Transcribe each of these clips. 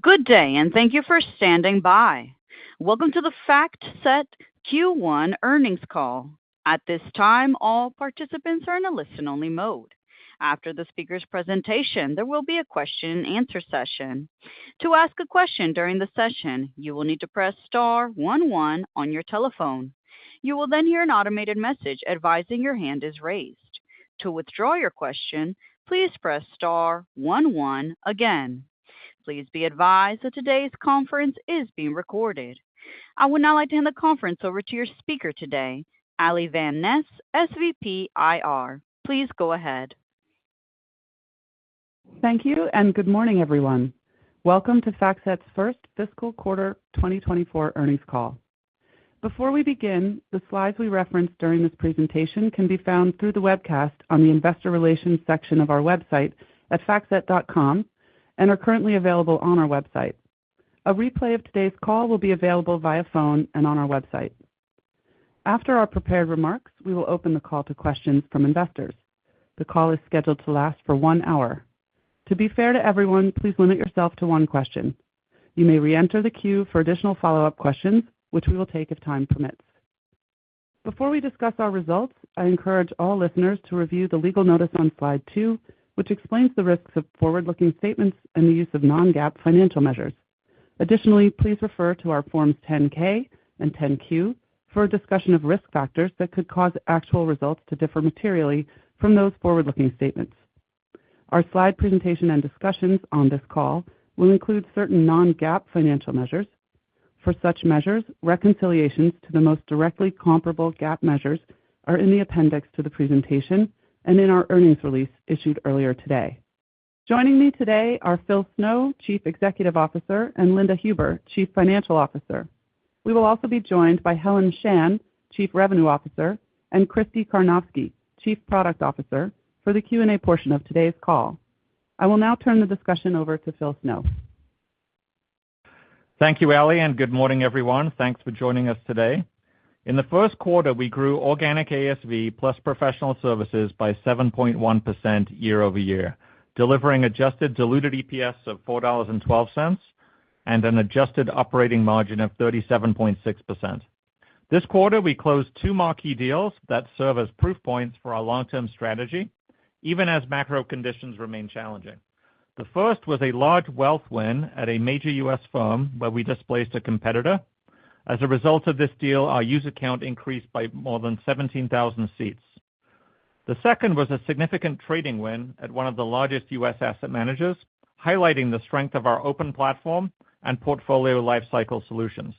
Good day and thank you for standing by. Welcome to the FactSet Q1 earnings call. At this time, all participants are in a listen-only mode. After the speaker's presentation, there will be a question-and-answer session. To ask a question during the session, you will need to press star one one on your telephone. You will then hear an automated message advising your hand is raised. To withdraw your question, please press star one one again. Please be advised that today's conference is being recorded. I would now like to hand the conference over to your speaker today, Ali van Nes, SVP, IR. Please go ahead. Thank you, and good morning, everyone. Welcome to FactSet's first fiscal quarter 2024 earnings call. Before we begin, the slides we reference during this presentation can be found through the webcast on the investor relations section of our website at factset.com and are currently available on our website. A replay of today's call will be available via phone and on our website. After our prepared remarks, we will open the call to questions from investors. The call is scheduled to last for one hour. To be fair to everyone, please limit yourself to one question. You may reenter the queue for additional follow-up questions, which we will take if time permits. Before we discuss our results, I encourage all listeners to review the legal notice on slide two, which explains the risks of forward-looking statements and the use of non-GAAP financial measures. Additionally, please refer to our Forms 10-K and 10-Q for a discussion of risk factors that could cause actual results to differ materially from those forward-looking statements. Our slide presentation and discussions on this call will include certain non-GAAP financial measures. For such measures, reconciliations to the most directly comparable GAAP measures are in the appendix to the presentation and in our earnings release issued earlier today. Joining me today are Phil Snow, Chief Executive Officer, and Linda Huber, Chief Financial Officer. We will also be joined by Helen Shan, Chief Revenue Officer, and Kristi Karnovsky, Chief Product Officer, for the Q&A portion of today's call. I will now turn the discussion over to Phil Snow. Thank you, Ali, and good morning, everyone. Thanks for joining us today. In the first quarter, we grew organic ASV plus professional services by 7.1% year-over-year, delivering adjusted diluted EPS of $4.12, and an adjusted operating margin of 37.6%. This quarter, we closed two marquee deals that serve as proof points for our long-term strategy, even as macro conditions remain challenging. The first was a large wealth win at a major U.S. firm where we displaced a competitor. As a result of this deal, our user count increased by more than 17,000 seats. The second was a significant trading win at one of the largest U.S. asset managers, highlighting the strength of our open platform and portfolio lifecycle solutions.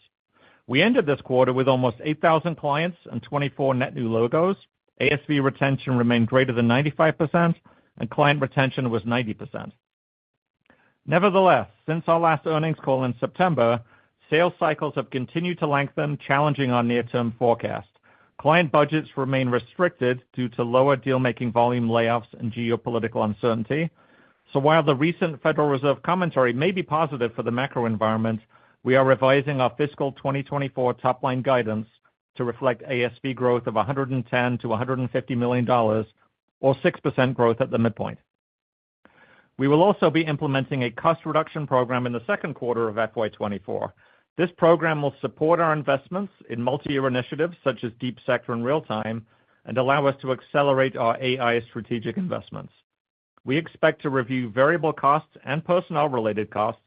We ended this quarter with almost 8,000 clients and 24 net new logos. ASV retention remained greater than 95%, and client retention was 90%. Nevertheless, since our last earnings call in September, sales cycles have continued to lengthen, challenging our near-term forecast. Client budgets remain restricted due to lower deal-making volume layoffs and geopolitical uncertainty. So while the recent Federal Reserve commentary may be positive for the macro environment, we are revising our fiscal 2024 top-line guidance to reflect ASV growth of $110 million-$150 million, or 6% growth at the midpoint. We will also be implementing a cost reduction program in the second quarter of FY 2024. This program will support our investments in multi-year initiatives such as Deep Sector and Real-Time, and allow us to accelerate our AI strategic investments. We expect to review variable costs and personnel-related costs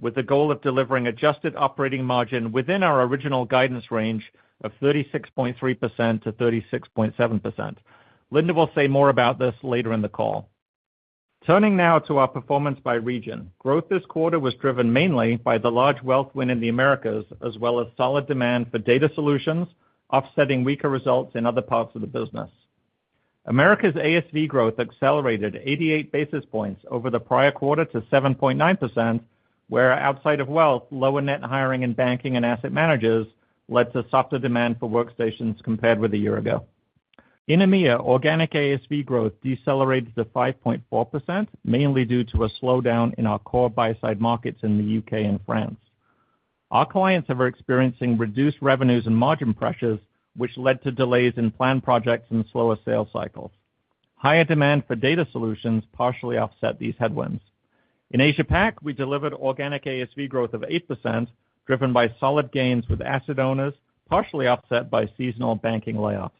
with the goal of delivering adjusted operating margin within our original guidance range of 36.3%-36.7%. Linda will say more about this later in the call. Turning now to our performance by region. Growth this quarter was driven mainly by the large wealth win in the Americas, as well as solid demand for data solutions, offsetting weaker results in other parts of the business. Americas' ASV growth accelerated 88 basis points over the prior quarter to 7.9%, where outside of wealth, lower net hiring in banking and asset managers led to softer demand for workstations compared with a year ago. In EMEA, organic ASV growth decelerated to 5.4%, mainly due to a slowdown in our core buy-side markets in the U.K. and France. Our clients are experiencing reduced revenues and margin pressures, which led to delays in planned projects and slower sales cycles. Higher demand for data solutions partially offset these headwinds. In APAC, we delivered organic ASV growth of 8%, driven by solid gains with asset owners, partially offset by seasonal banking layoffs.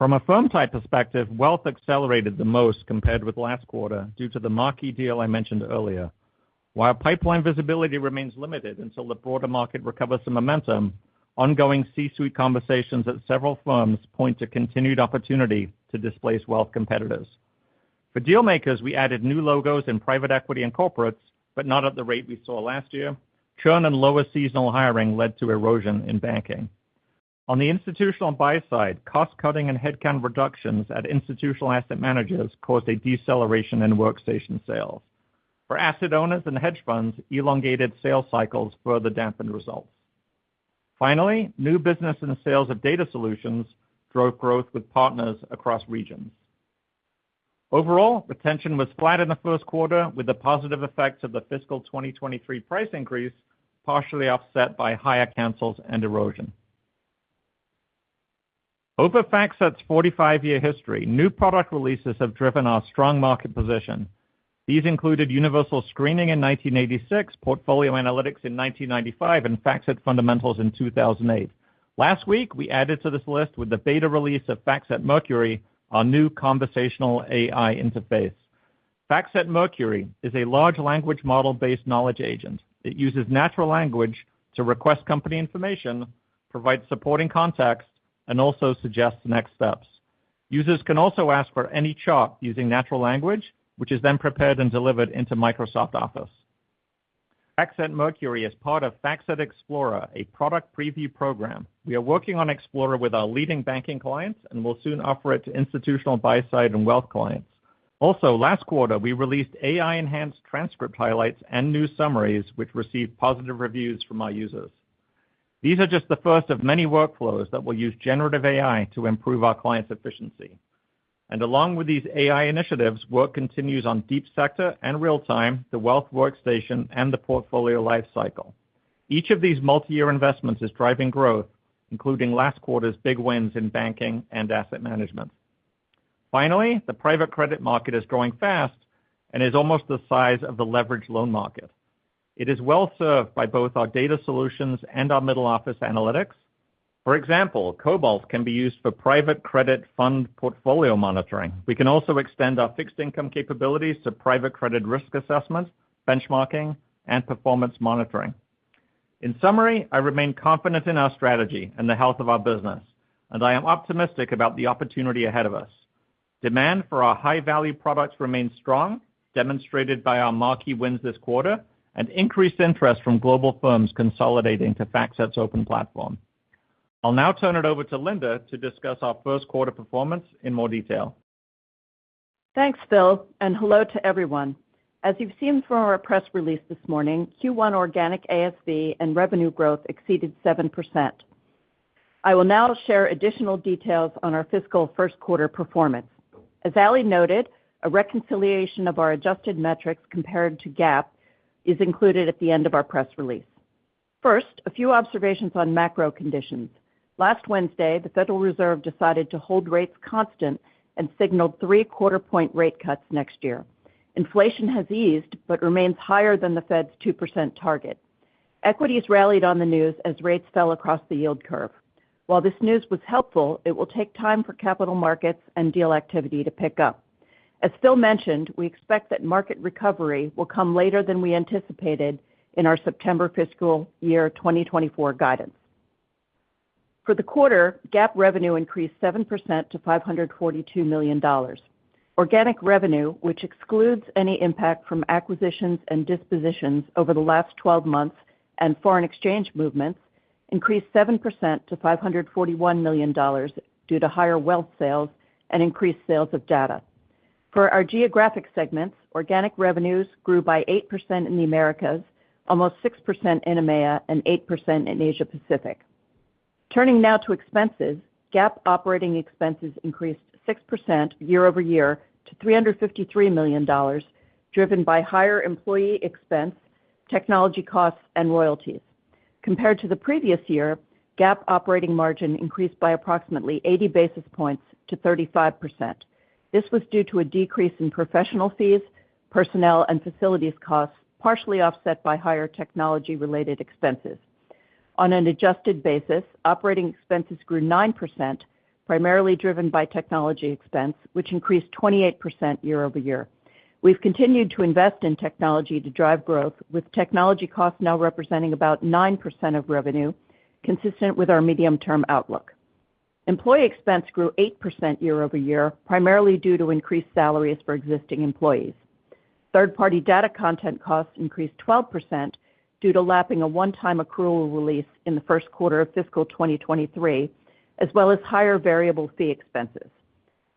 From a firm-type perspective, wealth accelerated the most compared with last quarter due to the marquee deal I mentioned earlier. While pipeline visibility remains limited until the broader market recovers some momentum, ongoing C-suite conversations at several firms point to continued opportunity to displace wealth competitors. For deal makers, we added new logos in private equity and corporates, but not at the rate we saw last year. Churn and lower seasonal hiring led to erosion in banking. On the institutional buy-side, cost-cutting and headcount reductions at institutional asset managers caused a deceleration in workstation sales. For asset owners and hedge funds, elongated sales cycles further dampened results. Finally, new business and the sales of data solutions drove growth with partners across regions. Overall, retention was flat in the first quarter, with the positive effects of the fiscal 2023 price increase partially offset by higher cancels and erosion. Over FactSet's 45-year history, new product releases have driven our strong market position. These included Universal Screening in 1986, Portfolio Analytics in 1995, and FactSet Fundamentals in 2008. Last week, we added to this list with the beta release of FactSet Mercury, our new conversational AI interface. FactSet Mercury is a large language model-based knowledge agent. It uses natural language to request company information, provide supporting context, and also suggests next steps. Users can also ask for any chart using natural language, which is then prepared and delivered into Microsoft Office. FactSet Mercury is part of FactSet Explorer, a product preview program. We are working on Explorer with our leading banking clients, and we'll soon offer it to institutional, buy-side and wealth clients. Also, last quarter, we released AI-enhanced transcript highlights and new summaries, which received positive reviews from our users. These are just the first of many workflows that will use generative AI to improve our clients' efficiency. And along with these AI initiatives, work continues on Deep Sector and Real-Time, the Wealth Workstation, and the Portfolio Lifecycle. Each of these multi-year investments is driving growth, including last quarter's big wins in banking and asset management. Finally, the private credit market is growing fast and is almost the size of the leveraged loan market. It is well served by both our data solutions and our middle-office analytics. For example, Cobalt can be used for private credit fund portfolio monitoring. We can also extend our fixed income capabilities to private credit risk assessments, benchmarking, and performance monitoring. In summary, I remain confident in our strategy and the health of our business, and I am optimistic about the opportunity ahead of us. Demand for our high-value products remains strong, demonstrated by our marquee wins this quarter and increased interest from global firms consolidating to FactSet's open platform. I'll now turn it over to Linda to discuss our first quarter performance in more detail. Thanks, Phil, and hello to everyone. As you've seen from our press release this morning, Q1 organic ASV and revenue growth exceeded 7%. I will now share additional details on our fiscal first quarter performance. As Ali noted, a reconciliation of our adjusted metrics compared to GAAP is included at the end of our press release. First, a few observations on macro conditions. Last Wednesday, the Federal Reserve decided to hold rates constant and signaled three quarter-point rate cuts next year. Inflation has eased but remains higher than the Fed's 2% target. Equities rallied on the news as rates fell across the yield curve. While this news was helpful, it will take time for capital markets and deal activity to pick up. As Phil mentioned, we expect that market recovery will come later than we anticipated in our September fiscal year 2024 guidance. For the quarter, GAAP revenue increased 7% to $542 million. Organic revenue, which excludes any impact from acquisitions and dispositions over the last twelve months and foreign exchange movements, increased 7% to $541 million due to higher wealth sales and increased sales of data. For our geographic segments, organic revenues grew by 8% in the Americas, almost 6% in EMEA, and 8% in Asia Pacific. Turning now to expenses. GAAP operating expenses increased 6% year-over-year to $353 million, driven by higher employee expense, technology costs, and royalties. Compared to the previous year, GAAP operating margin increased by approximately 80 basis points to 35%. This was due to a decrease in professional fees, personnel, and facilities costs, partially offset by higher technology-related expenses. On an adjusted basis, operating expenses grew 9%, primarily driven by technology expense, which increased 28% year-over-year. We've continued to invest in technology to drive growth, with technology costs now representing about 9% of revenue, consistent with our medium-term outlook. Employee expense grew 8% year-over-year, primarily due to increased salaries for existing employees. Third-party data content costs increased 12% due to lapping a one-time accrual release in the first quarter of fiscal 2023, as well as higher variable fee expenses.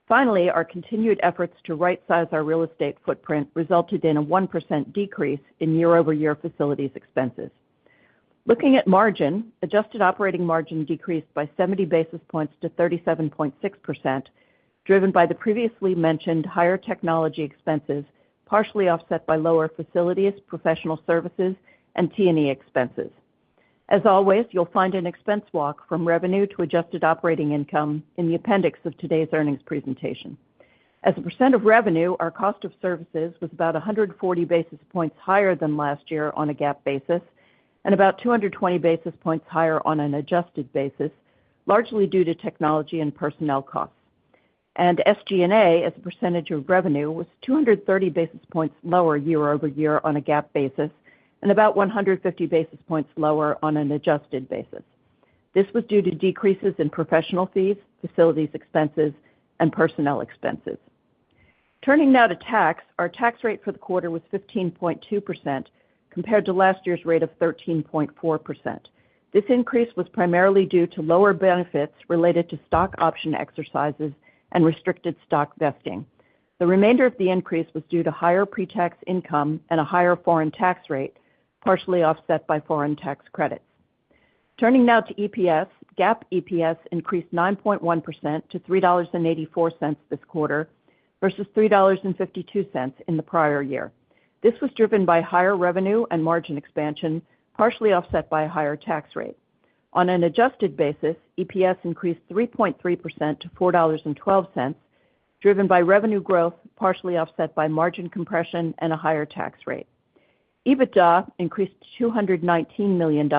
Finally, our continued efforts to rightsize our real estate footprint resulted in a 1% decrease in year-over-year facilities expenses. Looking at margin, adjusted operating margin decreased by 70 basis points to 37.6%, driven by the previously mentioned higher technology expenses, partially offset by lower facilities, professional services, and T&E expenses. As always, you'll find an expense walk from revenue to adjusted operating income in the appendix of today's earnings presentation. As a percent of revenue, our cost of services was about 140 basis points higher than last year on a GAAP basis and about 220 basis points higher on an adjusted basis, largely due to technology and personnel costs. SG&A, as a percentage of revenue, was 230 basis points lower year-over-year on a GAAP basis and about 150 basis points lower on an adjusted basis. This was due to decreases in professional fees, facilities expenses, and personnel expenses. Turning now to tax. Our tax rate for the quarter was 15.2%, compared to last year's rate of 13.4%. This increase was primarily due to lower benefits related to stock option exercises and restricted stock vesting. The remainder of the increase was due to higher pre-tax income and a higher foreign tax rate, partially offset by foreign tax credits. Turning now to EPS. GAAP EPS increased 9.1%-$3.84 this quarter versus $3.52 in the prior year. This was driven by higher revenue and margin expansion, partially offset by a higher tax rate. On an adjusted basis, EPS increased 3.3%-$4.12, driven by revenue growth, partially offset by margin compression and a higher tax rate. EBITDA increased to $219 million,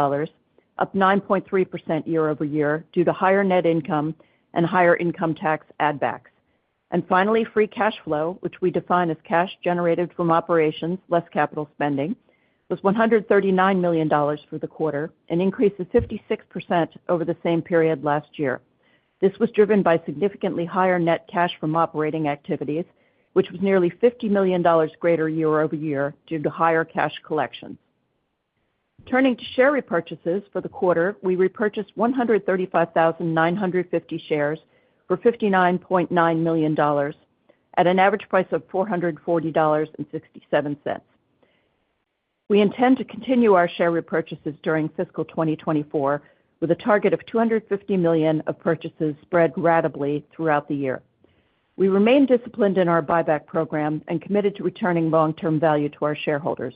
up 9.3% year-over-year, due to higher net income and higher income tax add backs. Finally, free cash flow, which we define as cash generated from operations less capital spending, was $139 million for the quarter, an increase of 56% over the same period last year. This was driven by significantly higher net cash from operating activities, which was nearly $50 million greater year-over-year due to higher cash collections. Turning to share repurchases for the quarter, we repurchased 135,950 shares for $59.9 million at an average price of $440.67. We intend to continue our share repurchases during fiscal 2024, with a target of $250 million of purchases spread ratably throughout the year. We remain disciplined in our buyback program and committed to returning long-term value to our shareholders.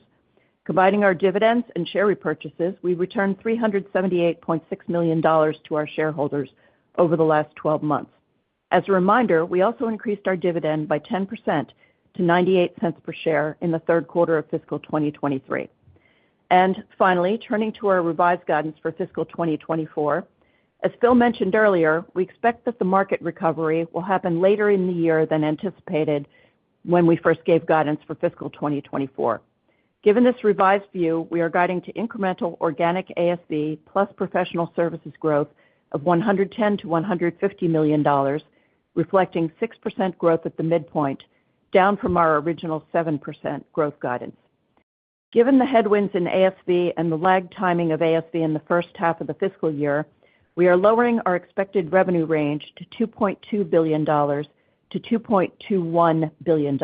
Combining our dividends and share repurchases, we returned $378.6 million to our shareholders over the last twelve months. As a reminder, we also increased our dividend by 10% to $0.98 per share in the third quarter of fiscal 2023. Finally, turning to our revised guidance for fiscal 2024. As Phil mentioned earlier, we expect that the market recovery will happen later in the year than anticipated when we first gave guidance for fiscal 2024. Given this revised view, we are guiding to incremental organic ASV plus professional services growth of $110 million-$150 million, reflecting 6% growth at the midpoint, down from our original 7% growth guidance. Given the headwinds in ASV and the lag timing of ASV in the first half of the fiscal year, we are lowering our expected revenue range to $2.2 billion-$2.21 billion.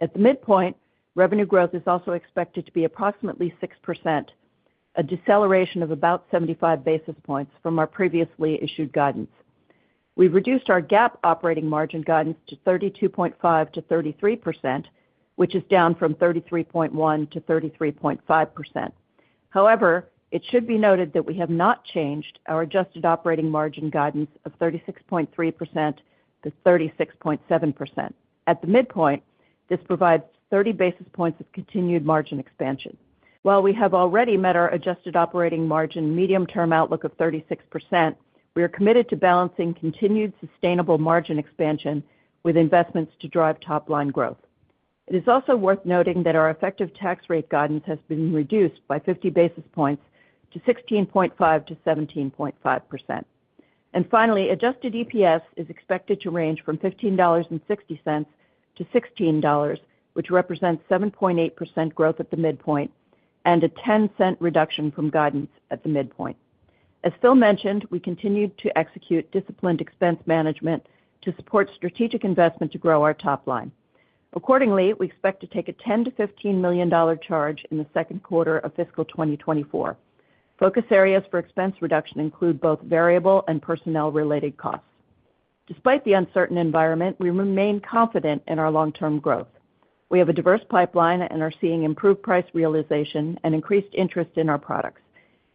At the midpoint, revenue growth is also expected to be approximately 6%, a deceleration of about 75 basis points from our previously issued guidance. We've reduced our GAAP operating margin guidance to 32.5%-33%, which is down from 33.1%-33.5%. However, it should be noted that we have not changed our adjusted operating margin guidance of 36.3%-36.7%. At the midpoint, this provides 30 basis points of continued margin expansion. While we have already met our adjusted operating margin medium-term outlook of 36%, we are committed to balancing continued sustainable margin expansion with investments to drive top line growth. It is also worth noting that our effective tax rate guidance has been reduced by 50 basis points to 16.5%-17.5%. Finally, adjusted EPS is expected to range from $15.60-$16, which represents 7.8% growth at the midpoint and a $0.10 reduction from guidance at the midpoint. As Phil mentioned, we continued to execute disciplined expense management to support strategic investment to grow our top line. Accordingly, we expect to take a $10 million-$15 million charge in the second quarter of fiscal 2024. Focus areas for expense reduction include both variable and personnel-related costs. Despite the uncertain environment, we remain confident in our long-term growth. We have a diverse pipeline and are seeing improved price realization and increased interest in our products.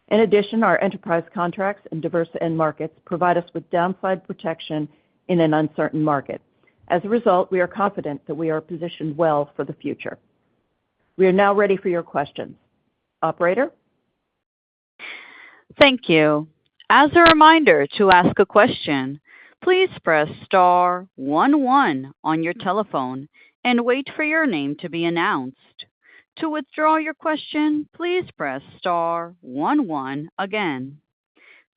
In addition, our enterprise contracts and diverse end markets provide us with downside protection in an uncertain market. As a result, we are confident that we are positioned well for the future. We are now ready for your questions. Operator? Thank you. As a reminder to ask a question, please press star one one on your telephone and wait for your name to be announced. To withdraw your question, please press star one one again.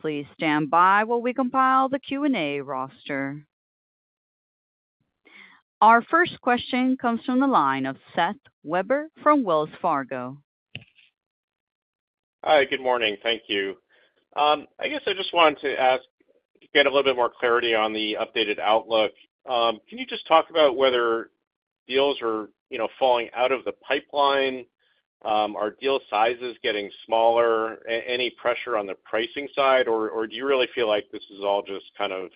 Please stand by while we compile the Q&A roster. Our first question comes from the line of Seth Weber from Wells Fargo. Hi, good morning. Thank you. I guess I just wanted to ask to get a little bit more clarity on the updated outlook. Can you just talk about whether deals are, you know, falling out of the pipeline? Are deal sizes getting smaller? Any pressure on the pricing side, or do you really feel like this is all just kind of,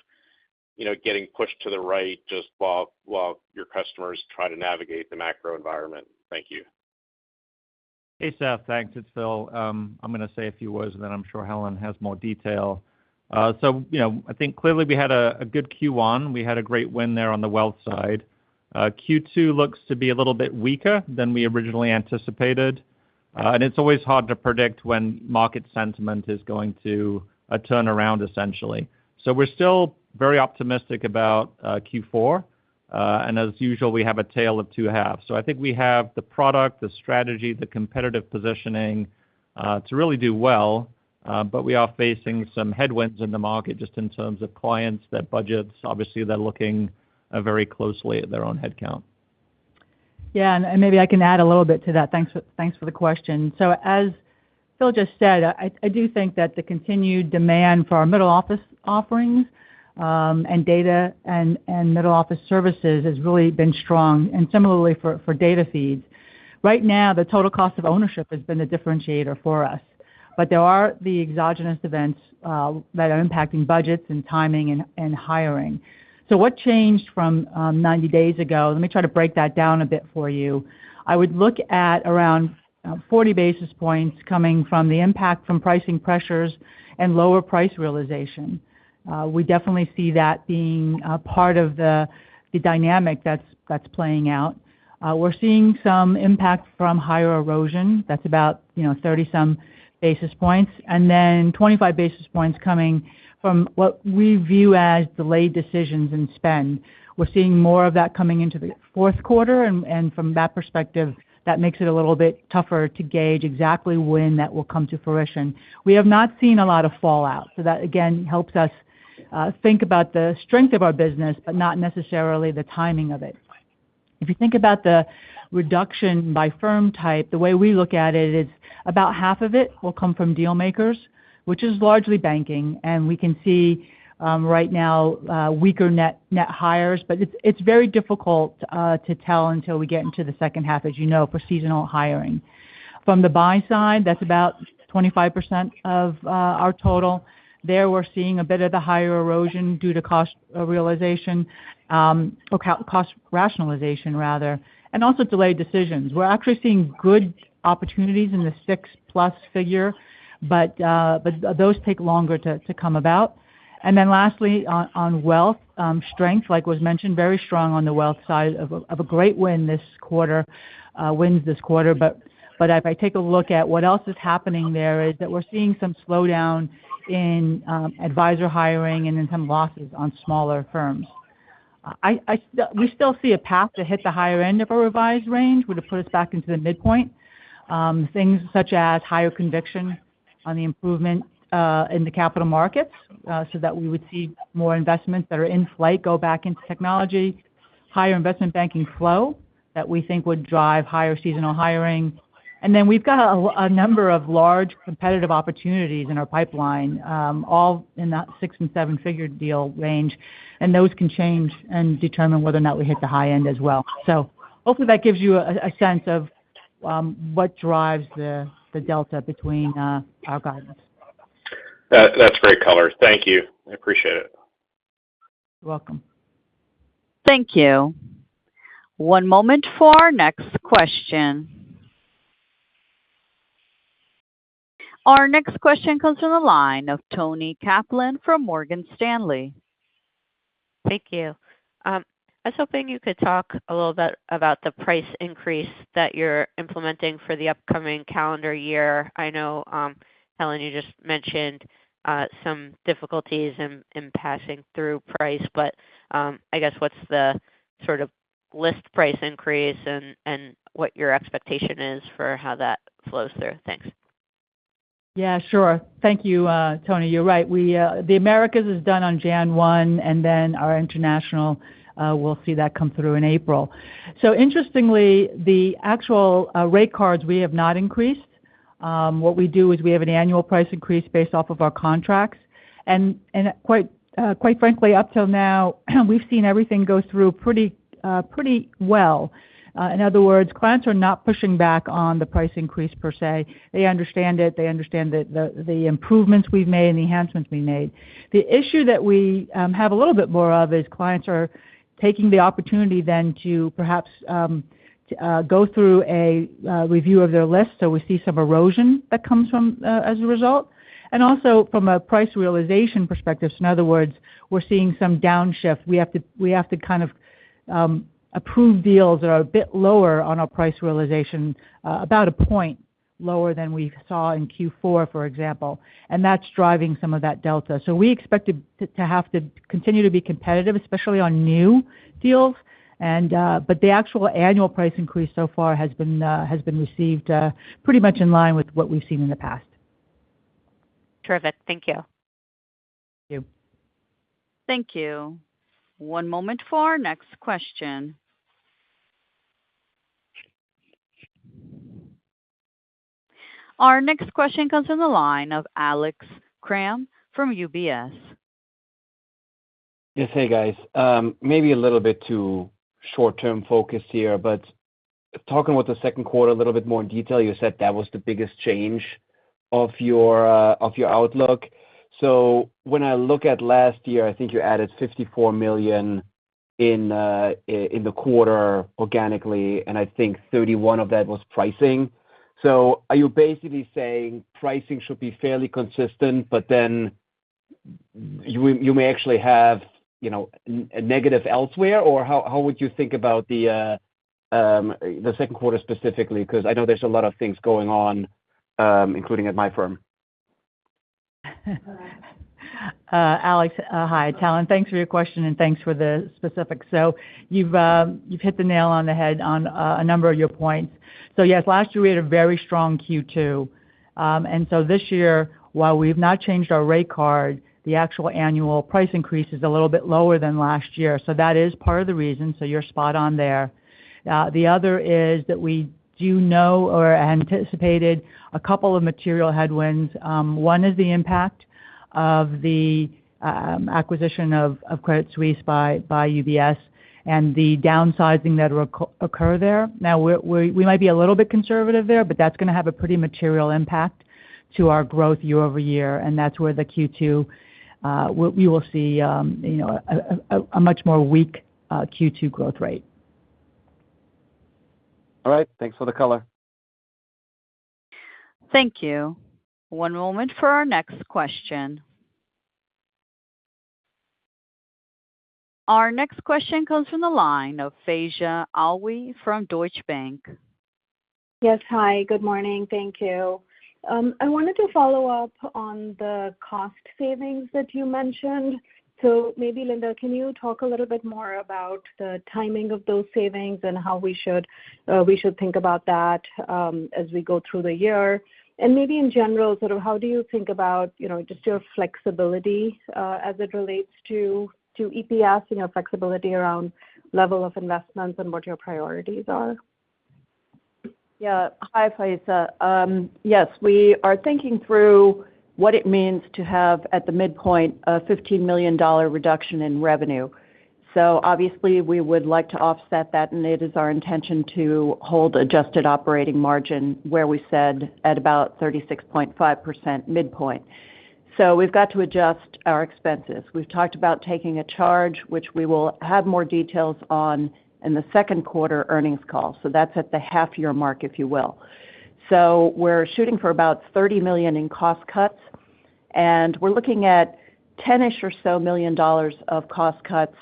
you know, getting pushed to the right just while your customers try to navigate the macro environment? Thank you. Hey, Seth. Thanks. It's Phil. I'm gonna say a few words, and then I'm sure Helen has more detail. So, you know, I think clearly we had a good Q1. We had a great win there on the wealth side. Q2 looks to be a little bit weaker than we originally anticipated, and it's always hard to predict when market sentiment is going to turn around, essentially. So we're still very optimistic about Q4. And as usual, we have a tale of two halves. So I think we have the product, the strategy, the competitive positioning to really do well, but we are facing some headwinds in the market just in terms of clients, their budgets. Obviously, they're looking very closely at their own headcount. Yeah, and maybe I can add a little bit to that. Thanks for the question. So as Phil just said, I do think that the continued demand for our middle office offerings and data and middle office services has really been strong, and similarly for data feeds. Right now, the total cost of ownership has been the differentiator for us. But there are the exogenous events that are impacting budgets and timing and, and hiring. So what changed from 90 days ago? Let me try to break that down a bit for you. I would look at around 40 basis points coming from the impact from pricing pressures and lower price realization. We definitely see that being a part of the, the dynamic that's, that's playing out. We're seeing some impact from higher erosion. That's about, you know, 30-some basis points, and then 25 basis points coming from what we view as delayed decisions in spend. We're seeing more of that coming into the fourth quarter, and, and from that perspective, that makes it a little bit tougher to gauge exactly when that will come to fruition. We have not seen a lot of fallout, so that, again, helps us think about the strength of our business, but not necessarily the timing of it. If you think about the reduction by firm type, the way we look at it is about half of it will come from deal makers, which is largely banking, and we can see right now weaker net hires. But it's very difficult to tell until we get into the second half, as you know, for seasonal hiring. From the buy-side, that's about 25% of our total. There, we're seeing a bit of the higher erosion due to cost realization or cost rationalization, rather, and also delayed decisions. We're actually seeing good opportunities in the six-plus figure, but those take longer to come about. And then lastly, on wealth strength, like was mentioned, very strong on the wealth side of a great win this quarter, wins this quarter. But if I take a look at what else is happening there, is that we're seeing some slowdown in advisor hiring and in some losses on smaller firms. We still see a path to hit the higher end of a revised range, would have put us back into the midpoint. Things such as higher conviction on the improvement in the capital markets, so that we would see more investments that are in flight go back into technology. Higher investment banking flow that we think would drive higher seasonal hiring. And then we've got a number of large competitive opportunities in our pipeline, all in that six- and seven-figure deal range, and those can change and determine whether or not we hit the high end as well. So hopefully that gives you a sense of what drives the delta between our guidance. That's great color. Thank you. I appreciate it. You're welcome. Thank you. One moment for our next question. Our next question comes from the line of Toni Kaplan from Morgan Stanley. Thank you. I was hoping you could talk a little bit about the price increase that you're implementing for the upcoming calendar year. I know, Helen, you just mentioned some difficulties in passing through price, but I guess what's the sort of list price increase and what your expectation is for how that flows through? Thanks. Yeah, sure. Thank you, Toni. You're right. We, the Americas is done on January 1, and then our international, we'll see that come through in April. So interestingly, the actual rate cards, we have not increased. What we do is we have an annual price increase based off of our contracts, and quite, quite frankly, up till now, we've seen everything go through pretty, pretty well. In other words, clients are not pushing back on the price increase per se. They understand it. They understand the improvements we've made and the enhancements we made. The issue that we have a little bit more of is clients are taking the opportunity then to perhaps go through a review of their list, so we see some erosion that comes from as a result, and also from a price realization perspective. So in other words, we're seeing some downshift. We have to, we have to kind of approve deals that are a bit lower on our price realization, about a point lower than we saw in Q4, for example, and that's driving some of that delta. So we expect to have to continue to be competitive, especially on new deals. And but the actual annual price increase so far has been received pretty much in line with what we've seen in the past. Terrific. Thank you. Thank you. Thank you. One moment for our next question. Our next question comes from the line of Alex Kramm from UBS. Yes. Hey, guys. Maybe a little bit too short-term focused here, but talking about the second quarter a little bit more in detail, you said that was the biggest change of your, of your outlook. So when I look at last year, I think you added $54 million in the quarter organically, and I think 31 of that was pricing. So are you basically saying pricing should be fairly consistent, but then you, you may actually have, you know, a negative elsewhere? Or how, how would you think about the second quarter specifically? Because I know there's a lot of things going on, including at my firm. Alex, hi, Talent. Thanks for your question, and thanks for the specifics. So you've, you've hit the nail on the head on a, a number of your points. So yes, last year we had a very strong Q2. And so this year, while we've not changed our rate card, the actual annual price increase is a little bit lower than last year. So that is part of the reason, so you're spot on there. The other is that we do know or anticipated a couple of material headwinds. One is the impact of the, acquisition of, of Credit Suisse by, by UBS and the downsizing that will occur there. Now, we're, we, we might be a little bit conservative there, but that's gonna have a pretty material impact. To our growth year over year, and that's where the Q2 we will see, you know, a much more weak Q2 growth rate. All right, thanks for the color. Thank you. One moment for our next question. Our next question comes from the line of Faiza Alwi from Deutsche Bank. Yes, hi, good morning. Thank you. I wanted to follow up on the cost savings that you mentioned. So maybe, Linda, can you talk a little bit more about the timing of those savings and how we should think about that as we go through the year? And maybe in general, sort of how do you think about, you know, just your flexibility as it relates to EPS, you know, flexibility around level of investments and what your priorities are? Yeah. Hi, Faiza. Yes, we are thinking through what it means to have, at the midpoint, a $15 million reduction in revenue. So obviously, we would like to offset that, and it is our intention to hold adjusted operating margin where we said at about 36.5% midpoint. So we've got to adjust our expenses. We've talked about taking a charge, which we will have more details on in the second quarter earnings call. So that's at the half year mark, if you will. So we're shooting for about $30 million in cost cuts, and we're looking at 10-ish or so $10 million of cost cuts.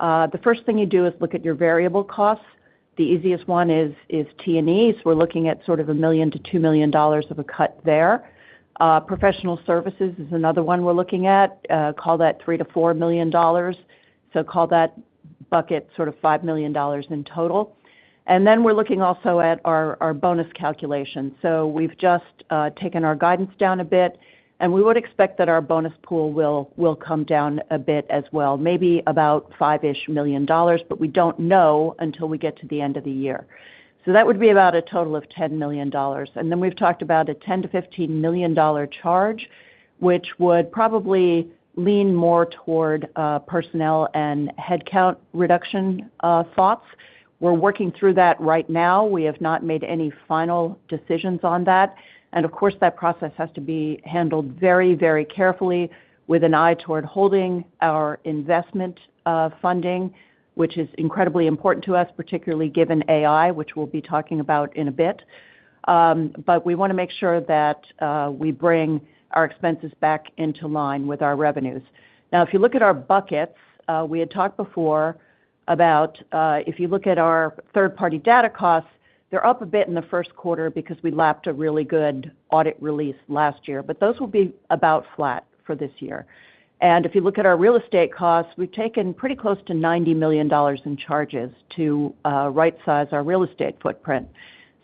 The first thing you do is look at your variable costs. The easiest one is T&Es. We're looking at sort of $1 million-$2 million of a cut there. Professional services is another one we're looking at, call that $3 million-$4 million. So call that bucket sort of $5 million in total. And then we're looking also at our bonus calculations. So we've just taken our guidance down a bit, and we would expect that our bonus pool will come down a bit as well, maybe about $5-ish million, but we don't know until we get to the end of the year. So that would be about a total of $10 million. And then we've talked about a $10 million-$15 million charge, which would probably lean more toward personnel and headcount reduction thoughts. We're working through that right now. We have not made any final decisions on that. Of course, that process has to be handled very, very carefully with an eye toward holding our investment funding, which is incredibly important to us, particularly given AI, which we'll be talking about in a bit. But we wanna make sure that we bring our expenses back into line with our revenues. Now, if you look at our buckets, we had talked before about, if you look at our third-party data costs, they're up a bit in the first quarter because we lapped a really good audit release last year, but those will be about flat for this year. And if you look at our real estate costs, we've taken pretty close to $90 million in charges to rightsize our real estate footprint.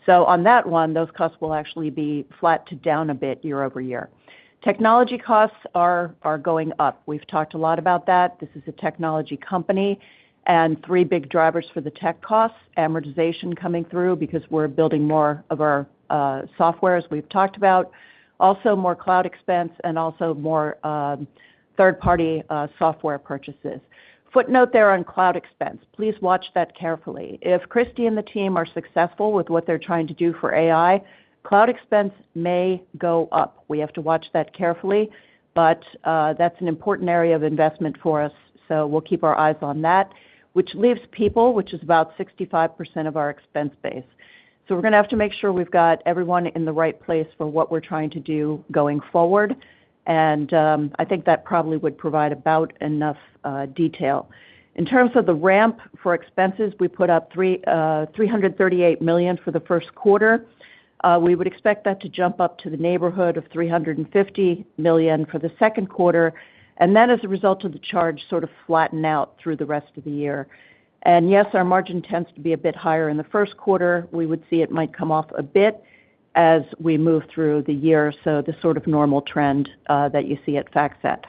So on that one, those costs will actually be flat to down a bit year-over-year. Technology costs are going up. We've talked a lot about that. This is a technology company and three big drivers for the tech costs, amortization coming through because we're building more of our software, as we've talked about. Also, more cloud expense and also more third-party software purchases. Footnote there on cloud expense, please watch that carefully. If Kristi and the team are successful with what they're trying to do for AI, cloud expense may go up. We have to watch that carefully, but that's an important area of investment for us, so we'll keep our eyes on that, which leaves people, which is about 65% of our expense base. So we're gonna have to make sure we've got everyone in the right place for what we're trying to do going forward. And I think that probably would provide about enough detail. In terms of the ramp for expenses, we put up $338 million for the first quarter. We would expect that to jump up to the neighborhood of $350 million for the second quarter, and then as a result of the charge, sort of flatten out through the rest of the year. And yes, our margin tends to be a bit higher in the first quarter. We would see it might come off a bit as we move through the year, so the sort of normal trend that you see at FactSet.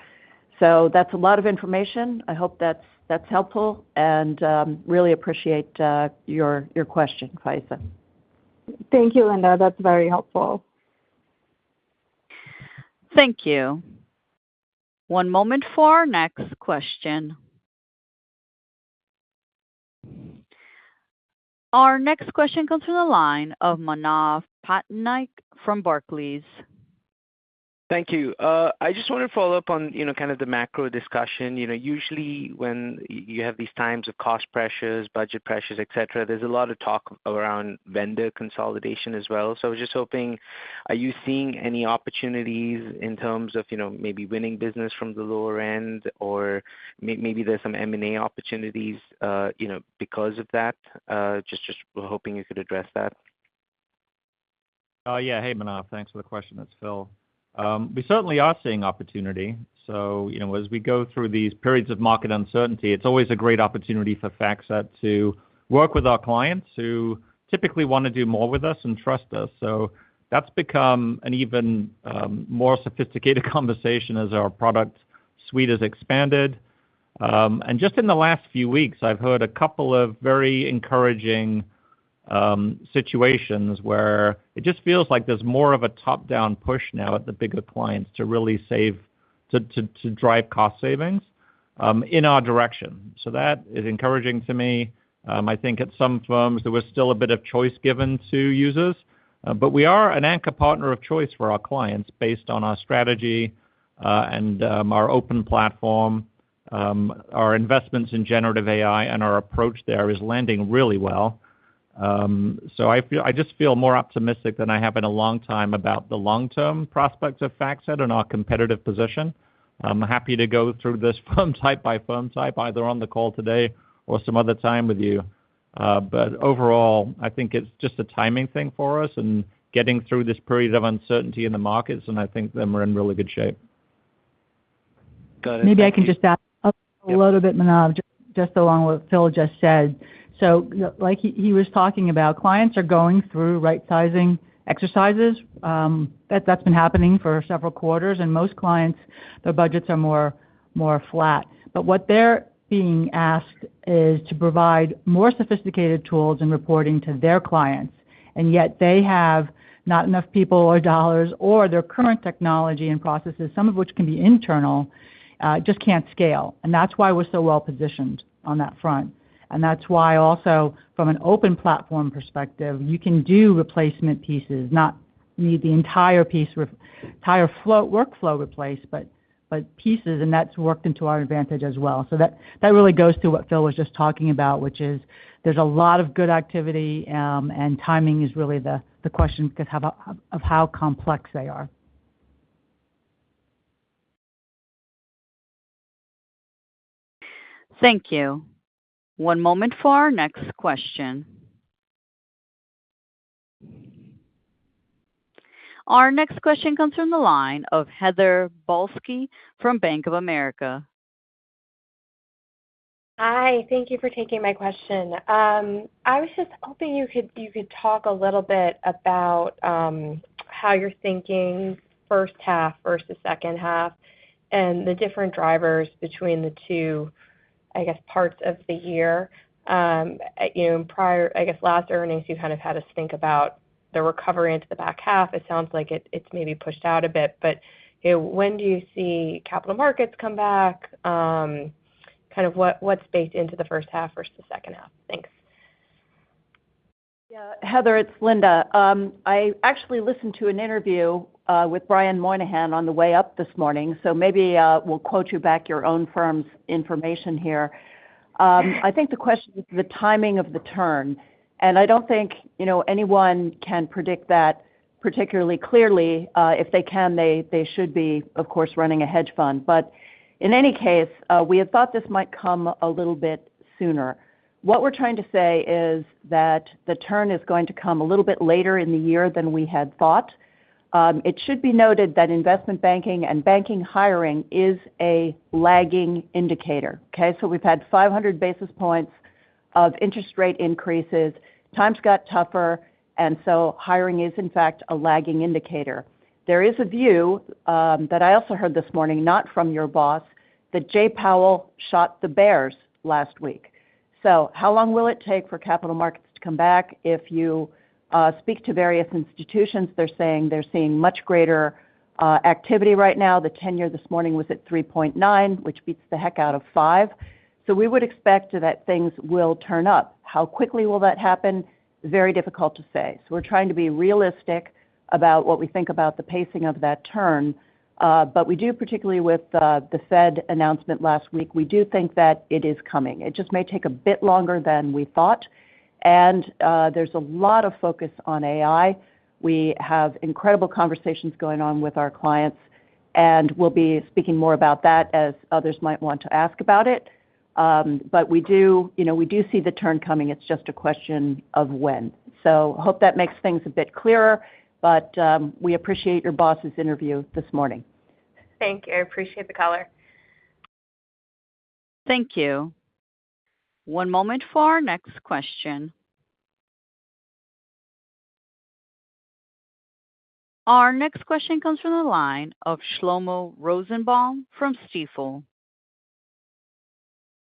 So that's a lot of information. I hope that's helpful, and really appreciate your question, Faiza. Thank you, Linda. That's very helpful. Thank you. One moment for our next question. Our next question comes from the line of Manav Patnaik from Barclays. Thank you. I just want to follow up on, you know, kind of the macro discussion. You know, usually when you have these times of cost pressures, budget pressures, et cetera, there's a lot of talk around vendor consolidation as well. So I was just hoping, are you seeing any opportunities in terms of, you know, maybe winning business from the lower end, or maybe there's some M&A opportunities, you know, because of that? Just, just hoping you could address that. Yeah. Hey, Manav, thanks for the question. It's Phil. We certainly are seeing opportunity. So, you know, as we go through these periods of market uncertainty, it's always a great opportunity for FactSet to work with our clients who typically wanna do more with us and trust us. So that's become an even more sophisticated conversation as our product suite has expanded. And just in the last few weeks, I've heard a couple of very encouraging situations where it just feels like there's more of a top-down push now at the bigger clients to really save- To drive cost savings in our direction. So that is encouraging to me. I think at some firms, there was still a bit of choice given to users. But we are an anchor partner of choice for our clients based on our strategy and our open platform. Our investments in Generative AI and our approach there is landing really well. So I feel, I just feel more optimistic than I have in a long time about the long-term prospects of FactSet and our competitive position. I'm happy to go through this firm type by firm type, either on the call today or some other time with you. But overall, I think it's just a timing thing for us and getting through this period of uncertainty in the markets, and I think then we're in really good shape. Got it. Maybe I can just add a little bit, Manav, just along what Phil just said. So, you know, like he, he was talking about, clients are going through right-sizing exercises. That's been happening for several quarters, and most clients, their budgets are more, more flat. But what they're being asked is to provide more sophisticated tools and reporting to their clients, and yet they have not enough people or dollars or their current technology and processes, some of which can be internal, just can't scale. And that's why we're so well positioned on that front. And that's why also from an open platform perspective, you can do replacement pieces, not need the entire piece, the entire workflow replaced, but, but pieces, and that's worked into our advantage as well. So that, that really goes to what Phil was just talking about, which is there's a lot of good activity, and timing is really the question, 'cause of how complex they are. Thank you. One moment for our next question. Our next question comes from the line of Heather Balsky from Bank of America. Hi, thank you for taking my question. I was just hoping you could talk a little bit about how you're thinking first half versus second half, and the different drivers between the two, I guess, parts of the year. You know, in prior, I guess, last earnings, you kind of had us think about the recovery into the back half. It sounds like it, it's maybe pushed out a bit. But, you know, when do you see capital markets come back? Kind of what, what's baked into the first half versus the second half? Thanks. Yeah, Heather, it's Linda. I actually listened to an interview with Brian Moynihan on the way up this morning, so maybe we'll quote you back your own firm's information here. I think the question is the timing of the turn, and I don't think, you know, anyone can predict that particularly clearly. If they can, they should be, of course, running a hedge fund. But in any case, we had thought this might come a little bit sooner. What we're trying to say is that the turn is going to come a little bit later in the year than we had thought. It should be noted that investment banking and banking hiring is a lagging indicator, okay? So we've had 500 basis points of interest rate increases. Times got tougher, and so hiring is, in fact, a lagging indicator. There is a view that I also heard this morning, not from your boss, that Jay Powell shot the bears last week. So how long will it take for capital markets to come back? If you speak to various institutions, they're saying they're seeing much greater activity right now. The ten-year this morning was at 3.9, which beats the heck out of five. So we would expect that things will turn up. How quickly will that happen? Very difficult to say. So we're trying to be realistic about what we think about the pacing of that turn. But we do, particularly with the Fed announcement last week, we do think that it is coming. It just may take a bit longer than we thought, and there's a lot of focus on AI. We have incredible conversations going on with our clients, and we'll be speaking more about that as others might want to ask about it. But we do, you know, we do see the turn coming. It's just a question of when. So hope that makes things a bit clearer, but, we appreciate your boss's interview this morning. Thank you. I appreciate the color. Thank you. One moment for our next question. Our next question comes from the line of Shlomo Rosenbaum from Stifel.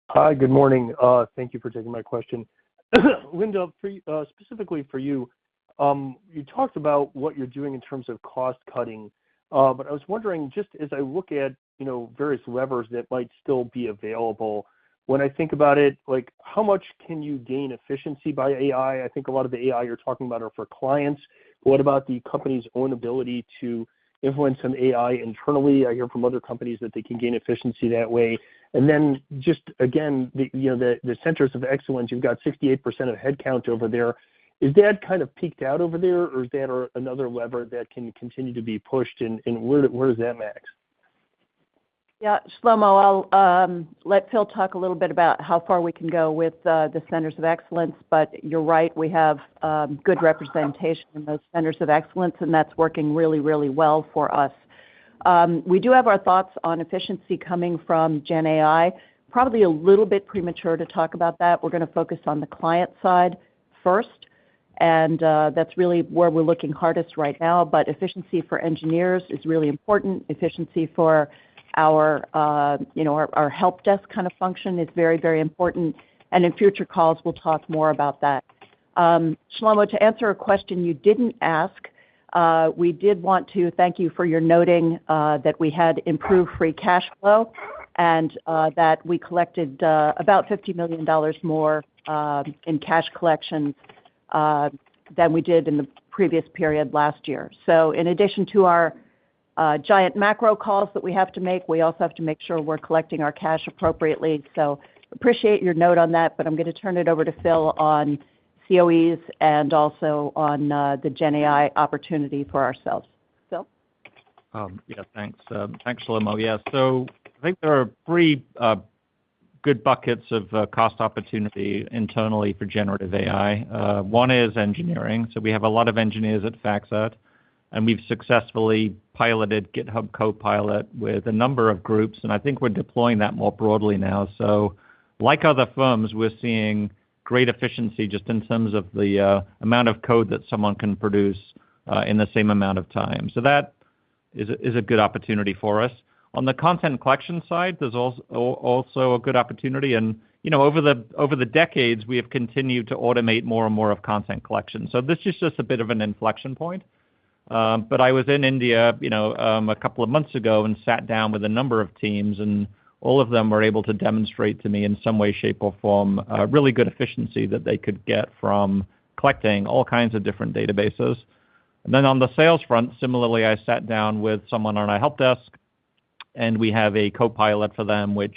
Hi, good morning. Thank you for taking my question. Linda, for specifically for you. You talked about what you're doing in terms of cost cutting. But I was wondering, just as I look at, you know, various levers that might still be available, when I think about it, like, how much can you gain efficiency by AI? I think a lot of the AI you're talking about are for clients. What about the company's own ability to influence some AI internally? I hear from other companies that they can gain efficiency that way. And then just again, you know, the centers of excellence, you've got 68% of headcount over there. Is that kind of peaked out over there, or is that another lever that can continue to be pushed and where does that max? Yeah, Shlomo, I'll let Phil talk a little bit about how far we can go with the centers of excellence. But you're right, we have good representation in those centers of excellence, and that's working really, really well for us. We do have our thoughts on efficiency coming from Gen AI. Probably a little bit premature to talk about that. We're gonna focus on the client side first, and that's really where we're looking hardest right now. But efficiency for engineers is really important. Efficiency for our you know our help desk kind of function is very, very important. And in future calls, we'll talk more about that. Shlomo, to answer a question you didn't ask, we did want to thank you for your noting that we had improved free cash flow and that we collected about $50 million more in cash collection than we did in the previous period last year. So in addition to our giant macro calls that we have to make, we also have to make sure we're collecting our cash appropriately. So appreciate your note on that, but I'm going to turn it over to Phil on COEs and also on the Gen AI opportunity for ourselves. Phil? Yeah, thanks. Thanks, Shlomo. Yes, so I think there are three good buckets of cost opportunity internally for generative AI. One is engineering. So we have a lot of engineers at FactSet, and we've successfully piloted GitHub Copilot with a number of groups, and I think we're deploying that more broadly now. So like other firms, we're seeing great efficiency just in terms of the amount of code that someone can produce in the same amount of time. So that is a good opportunity for us. On the content collection side, there's also a good opportunity, and, you know, over the decades, we have continued to automate more and more of content collection. So this is just a bit of an inflection point. But I was in India, you know, a couple of months ago and sat down with a number of teams, and all of them were able to demonstrate to me, in some way, shape, or form, a really good efficiency that they could get from collecting all kinds of different databases. And then on the sales front, similarly, I sat down with someone on our help desk, and we have a Copilot for them, which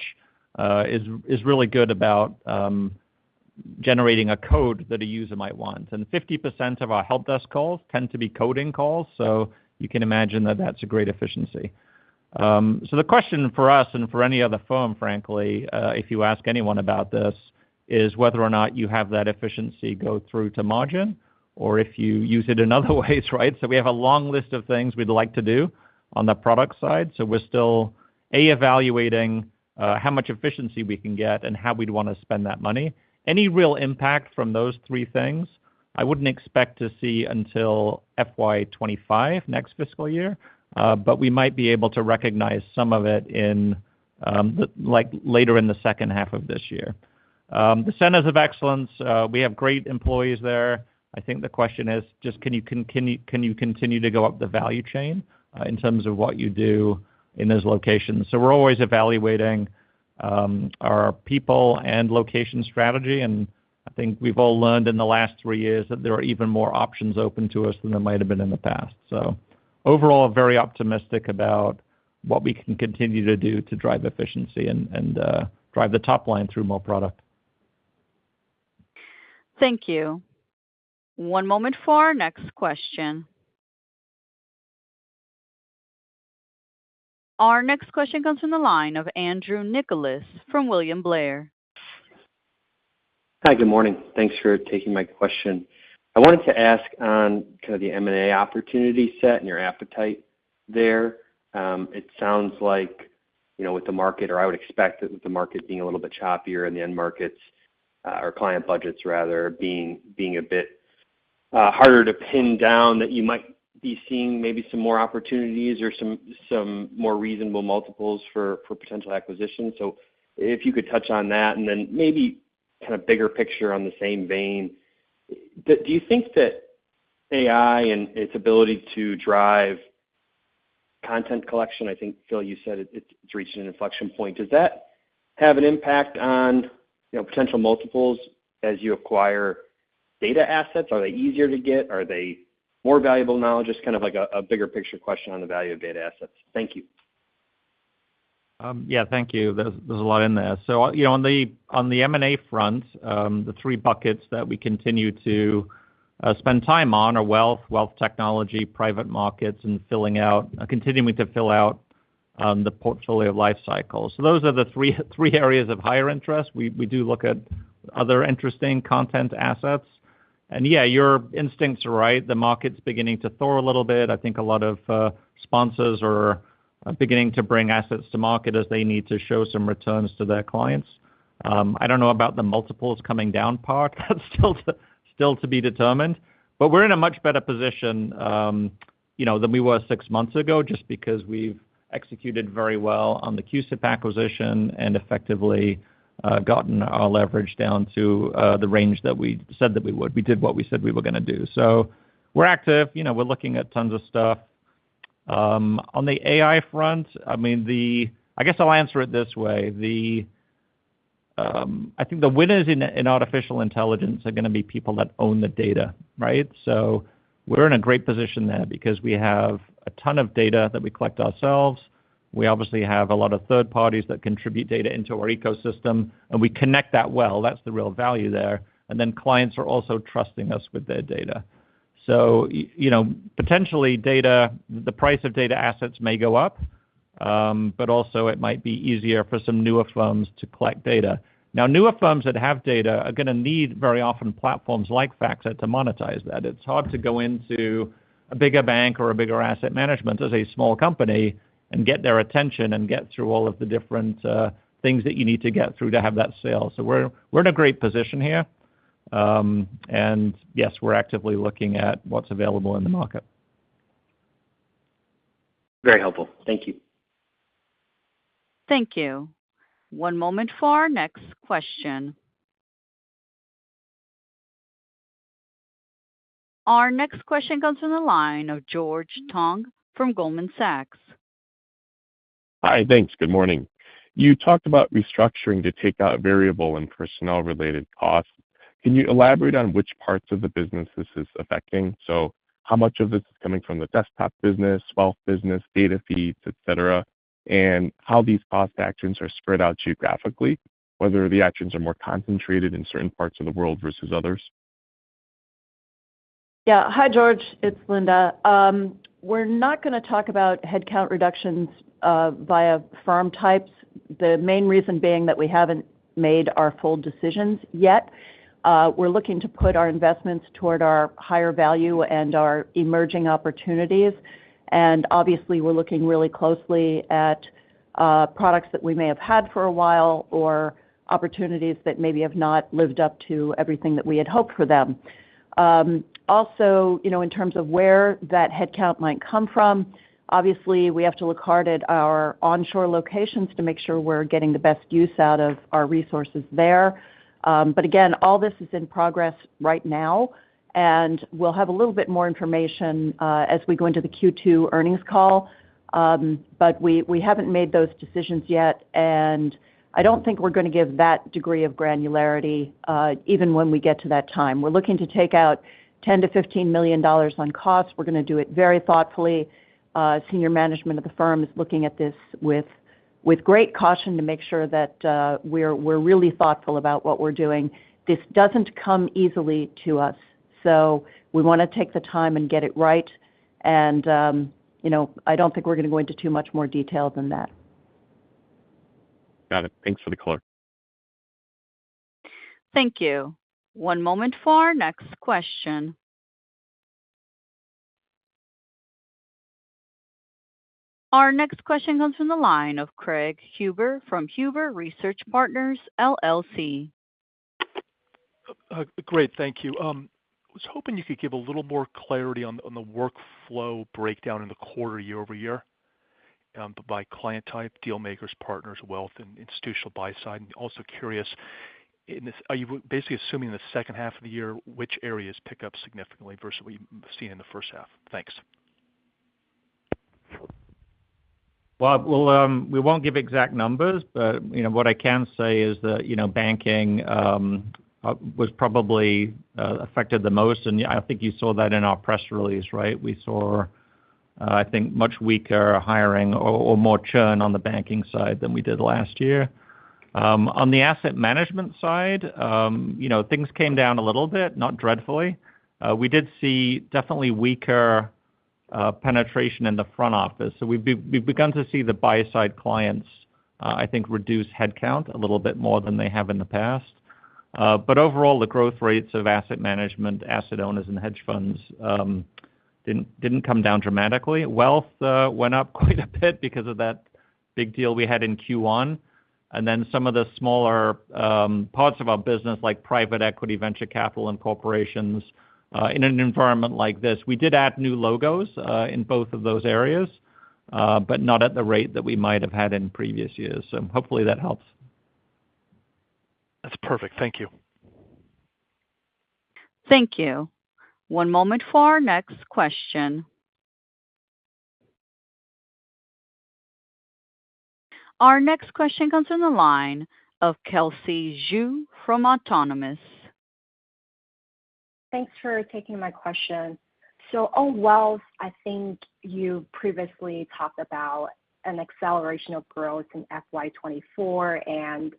is really good about generating a code that a user might want. And 50% of our help desk calls tend to be coding calls, so you can imagine that that's a great efficiency. So the question for us and for any other firm, frankly, if you ask anyone about this, is whether or not you have that efficiency go through to margin or if you use it in other ways, right? So we have a long list of things we'd like to do on the product side. So we're still, A, evaluating how much efficiency we can get and how we'd want to spend that money. Any real impact from those three things, I wouldn't expect to see until FY 2025, next fiscal year, but we might be able to recognize some of it in the like, later in the second half of this year. The centers of excellence, we have great employees there. I think the question is just, can you continue to go up the value chain in terms of what you do in those locations? So we're always evaluating our people and location strategy, and I think we've all learned in the last three years that there are even more options open to us than there might have been in the past. So overall, very optimistic about what we can continue to do to drive efficiency and drive the top line through more product. Thank you. One moment for our next question. Our next question comes from the line of Andrew Nicholas from William Blair. Hi, good morning. Thanks for taking my question. I wanted to ask on kind of the M&A opportunity set and your appetite there. It sounds like, you know, with the market, or I would expect that with the market being a little bit choppier in the end markets, or client budgets rather, being a bit harder to pin down, that you might be seeing maybe some more opportunities or some more reasonable multiples for potential acquisitions. So if you could touch on that and then maybe kind of bigger picture on the same vein. Do you think that AI and its ability to drive content collection, I think, Phil, you said it, it's reaching an inflection point. Does that have an impact on, you know, potential multiples as you acquire data assets? Are they easier to get? Are they more valuable now? Just kind of like a bigger picture question on the value of data assets. Thank you. Yeah, thank you. There's a lot in there. So, you know, on the M&A front, the three buckets that we continue to spend time on are wealth, wealth technology, private markets, and continuing to fill out the portfolio life cycle. So those are the three areas of higher interest. We do look at other interesting content assets. And yeah, your instincts are right. The market's beginning to thaw a little bit. I think a lot of sponsors are beginning to bring assets to market as they need to show some returns to their clients. I don't know about the multiples coming down part. That's still to be determined, but we're in a much better position, you know, than we were six months ago, just because we've executed very well on the CUSIP acquisition and effectively gotten our leverage down to the range that we said that we would. We did what we said we were going to do. So we're active, you know, we're looking at tons of stuff. On the AI front, I mean, I guess I'll answer it this way: I think the winners in artificial intelligence are going to be people that own the data, right? So we're in a great position there because we have a ton of data that we collect ourselves. We obviously have a lot of third parties that contribute data into our ecosystem, and we connect that well. That's the real value there. And then clients are also trusting us with their data. So, you know, potentially data, the price of data assets may go up, but also it might be easier for some newer firms to collect data. Now, newer firms that have data are going to need very often platforms like FactSet to monetize that. It's hard to go into a bigger bank or a bigger asset management as a small company and get their attention and get through all of the different things that you need to get through to have that sale. So we're in a great position here. And yes, we're actively looking at what's available in the market. Very helpful. Thank you. Thank you. One moment for our next question. Our next question comes from the line of George Tong from Goldman Sachs. Hi, thanks. Good morning. You talked about restructuring to take out variable and personnel-related costs. Can you elaborate on which parts of the business this is affecting? So how much of this is coming from the desktop business, wealth business, data feeds, et cetera, and how these cost actions are spread out geographically? Whether the actions are more concentrated in certain parts of the world versus others. Yeah. Hi, George, it's Linda. We're not gonna talk about headcount reductions via firm types. The main reason being that we haven't made our full decisions yet. We're looking to put our investments toward our higher value and our emerging opportunities. And obviously, we're looking really closely at products that we may have had for a while or opportunities that maybe have not lived up to everything that we had hoped for them. Also, you know, in terms of where that headcount might come from, obviously, we have to look hard at our onshore locations to make sure we're getting the best use out of our resources there. But again, all this is in progress right now, and we'll have a little bit more information as we go into the Q2 earnings call. But we, we haven't made those decisions yet, and I don't think we're gonna give that degree of granularity, even when we get to that time. We're looking to take out $10 million-$15 million on costs. We're gonna do it very thoughtfully. Senior management of the firm is looking at this with, with great caution to make sure that, we're, we're really thoughtful about what we're doing. This doesn't come easily to us, so we wanna take the time and get it right. And, you know, I don't think we're gonna go into too much more detail than that. Got it. Thanks for the color. Thank you. One moment for our next question. Our next question comes from the line of Craig Huber from Huber Research Partners, LLC. Great, thank you. I was hoping you could give a little more clarity on the workflow breakdown in the quarter, year-over-year, by client type, dealmakers, partners, wealth, and institutional buy-side. I'm also curious. Are you basically assuming the second half of the year, which areas pick up significantly versus what you've seen in the first half? Thanks. Well, we won't give exact numbers, but, you know, what I can say is that, you know, banking was probably affected the most, and I think you saw that in our press release, right? We saw, I think, much weaker hiring or more churn on the banking side than we did last year. On the asset management side, you know, things came down a little bit, not dreadfully. We did see definitely weaker penetration in the front office. So we've begun to see the buy-side clients, I think, reduce headcount a little bit more than they have in the past. But overall, the growth rates of asset management, asset owners and hedge funds didn't come down dramatically. Wealth went up quite a bit because of that big deal we had in Q1, and then some of the smaller parts of our business, like private equity, venture capital, and corporations. In an environment like this, we did add new logos in both of those areas, but not at the rate that we might have had in previous years. So hopefully that helps. That's perfect. Thank you. Thank you. One moment for our next question. Our next question comes from the line of Kelsey Zhu from Autonomous. Thanks for taking my question. So on wealth, I think you previously talked about an acceleration of growth in FY 2024 and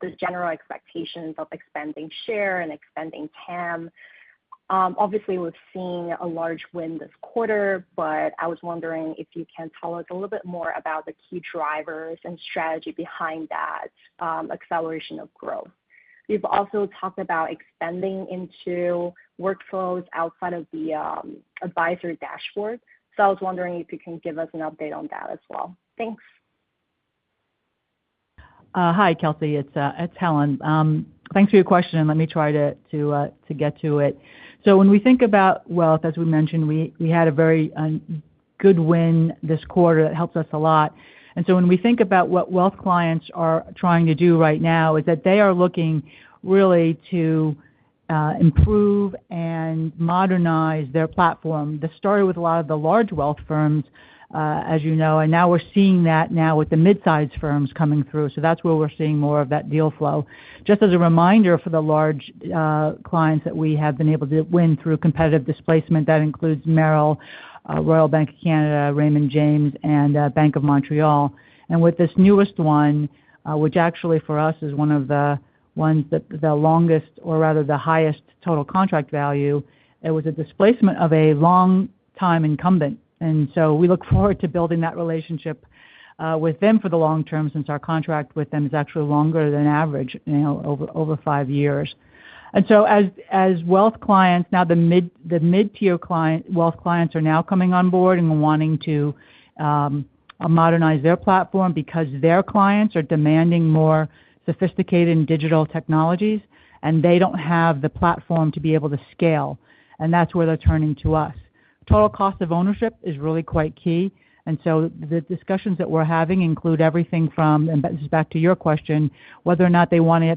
the general expectations of expanding share and expanding TAM. Obviously, we've seen a large win this quarter, but I was wondering if you can tell us a little bit more about the key drivers and strategy behind that acceleration of growth. You've also talked about expanding into workflows outside of the advisory dashboard, so I was wondering if you can give us an update on that as well. Thanks. Hi, Kelsey. It's Helen. Thanks for your question, and let me try to get to it. So when we think about wealth, as we mentioned, we had a very good win this quarter. That helps us a lot. And so when we think about what wealth clients are trying to do right now, is that they are looking really to improve and modernize their platform. The story with a lot of the large wealth firms, as you know, and now we're seeing that now with the mid-size firms coming through. So that's where we're seeing more of that deal flow. Just as a reminder, for the large clients that we have been able to win through competitive displacement, that includes Merrill, Royal Bank of Canada, Raymond James, and Bank of Montreal. With this newest one, which actually for us is one of the ones that the longest or rather the highest total contract value, it was a displacement of a long time incumbent. So we look forward to building that relationship with them for the long term, since our contract with them is actually longer than average, you know, over five years. So as wealth clients, now the mid-tier client, wealth clients are now coming on board and wanting to, Modernize their platform because their clients are demanding more sophisticated and digital technologies, and they don't have the platform to be able to scale, and that's where they're turning to us. Total cost of ownership is really quite key, and so the discussions that we're having include everything from, and this is back to your question, whether or not they wanna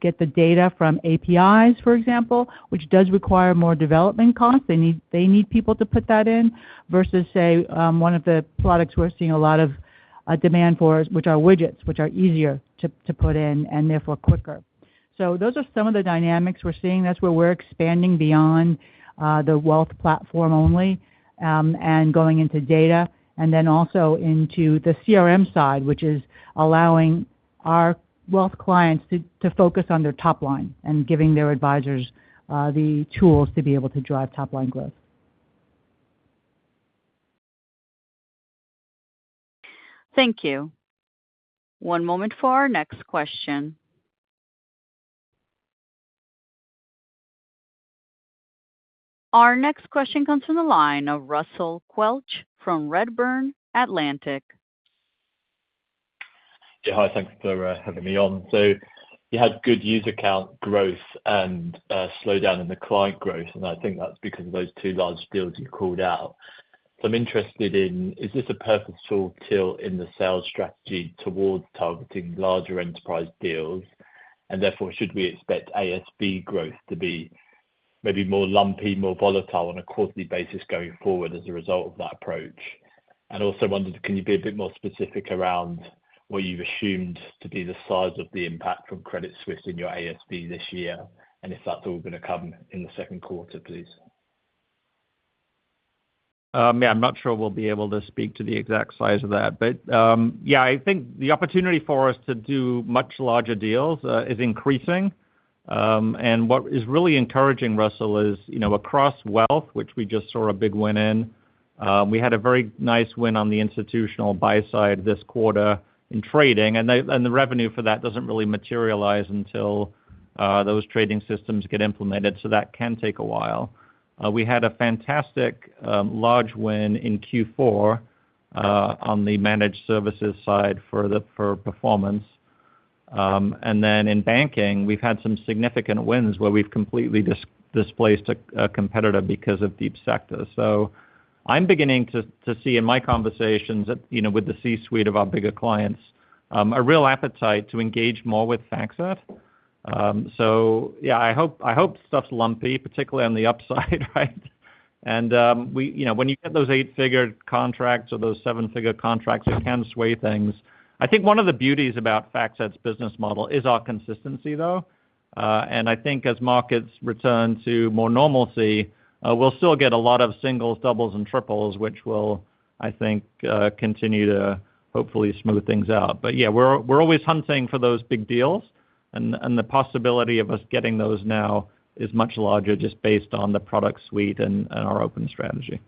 get the data from APIs, for example, which does require more development costs. They need people to put that in, versus say, one of the products we're seeing a lot of demand for, which are widgets, which are easier to put in and therefore quicker. So those are some of the dynamics we're seeing. That's where we're expanding beyond the wealth platform only and going into data, and then also into the CRM side, which is allowing our wealth clients to focus on their top line and giving their advisors the tools to be able to drive top line growth. Thank you. One moment for our next question. Our next question comes from the line of Russell Quelch from Redburn Atlantic. Yeah, hi, thanks for having me on. So you had good user count growth and slowdown in the client growth, and I think that's because of those two large deals you called out. So I'm interested in, is this a purposeful tilt in the sales strategy towards targeting larger enterprise deals? And therefore, should we expect ASV growth to be maybe more lumpy, more volatile on a quarterly basis going forward as a result of that approach? And I also wondered, can you be a bit more specific around what you've assumed to be the size of the impact from Credit Suisse in your ASV this year, and if that's all gonna come in the second quarter, please? Yeah, I'm not sure we'll be able to speak to the exact size of that. But, yeah, I think the opportunity for us to do much larger deals is increasing. And what is really encouraging, Russell, is, you know, across wealth, which we just saw a big win in, we had a very nice win on the institutional buy side this quarter in trading, and the revenue for that doesn't really materialize until those trading systems get implemented, so that can take a while. We had a fantastic large win in Q4 on the managed services side for the, for performance. And then in banking, we've had some significant wins where we've completely displaced a competitor because of Deep Sector. So I'm beginning to see in my conversations that, you know, with the C-suite of our bigger clients, a real appetite to engage more with FactSet. So yeah, I hope stuff's lumpy, particularly on the upside, right? And you know, when you get those eight-figure contracts or those seven-figure contracts, it can sway things. I think one of the beauties about FactSet's business model is our consistency, though. And I think as markets return to more normalcy, we'll still get a lot of singles, doubles, and triples, which will, I think, continue to hopefully smooth things out. But yeah, we're always hunting for those big deals, and the possibility of us getting those now is much larger, just based on the product suite and our open strategy.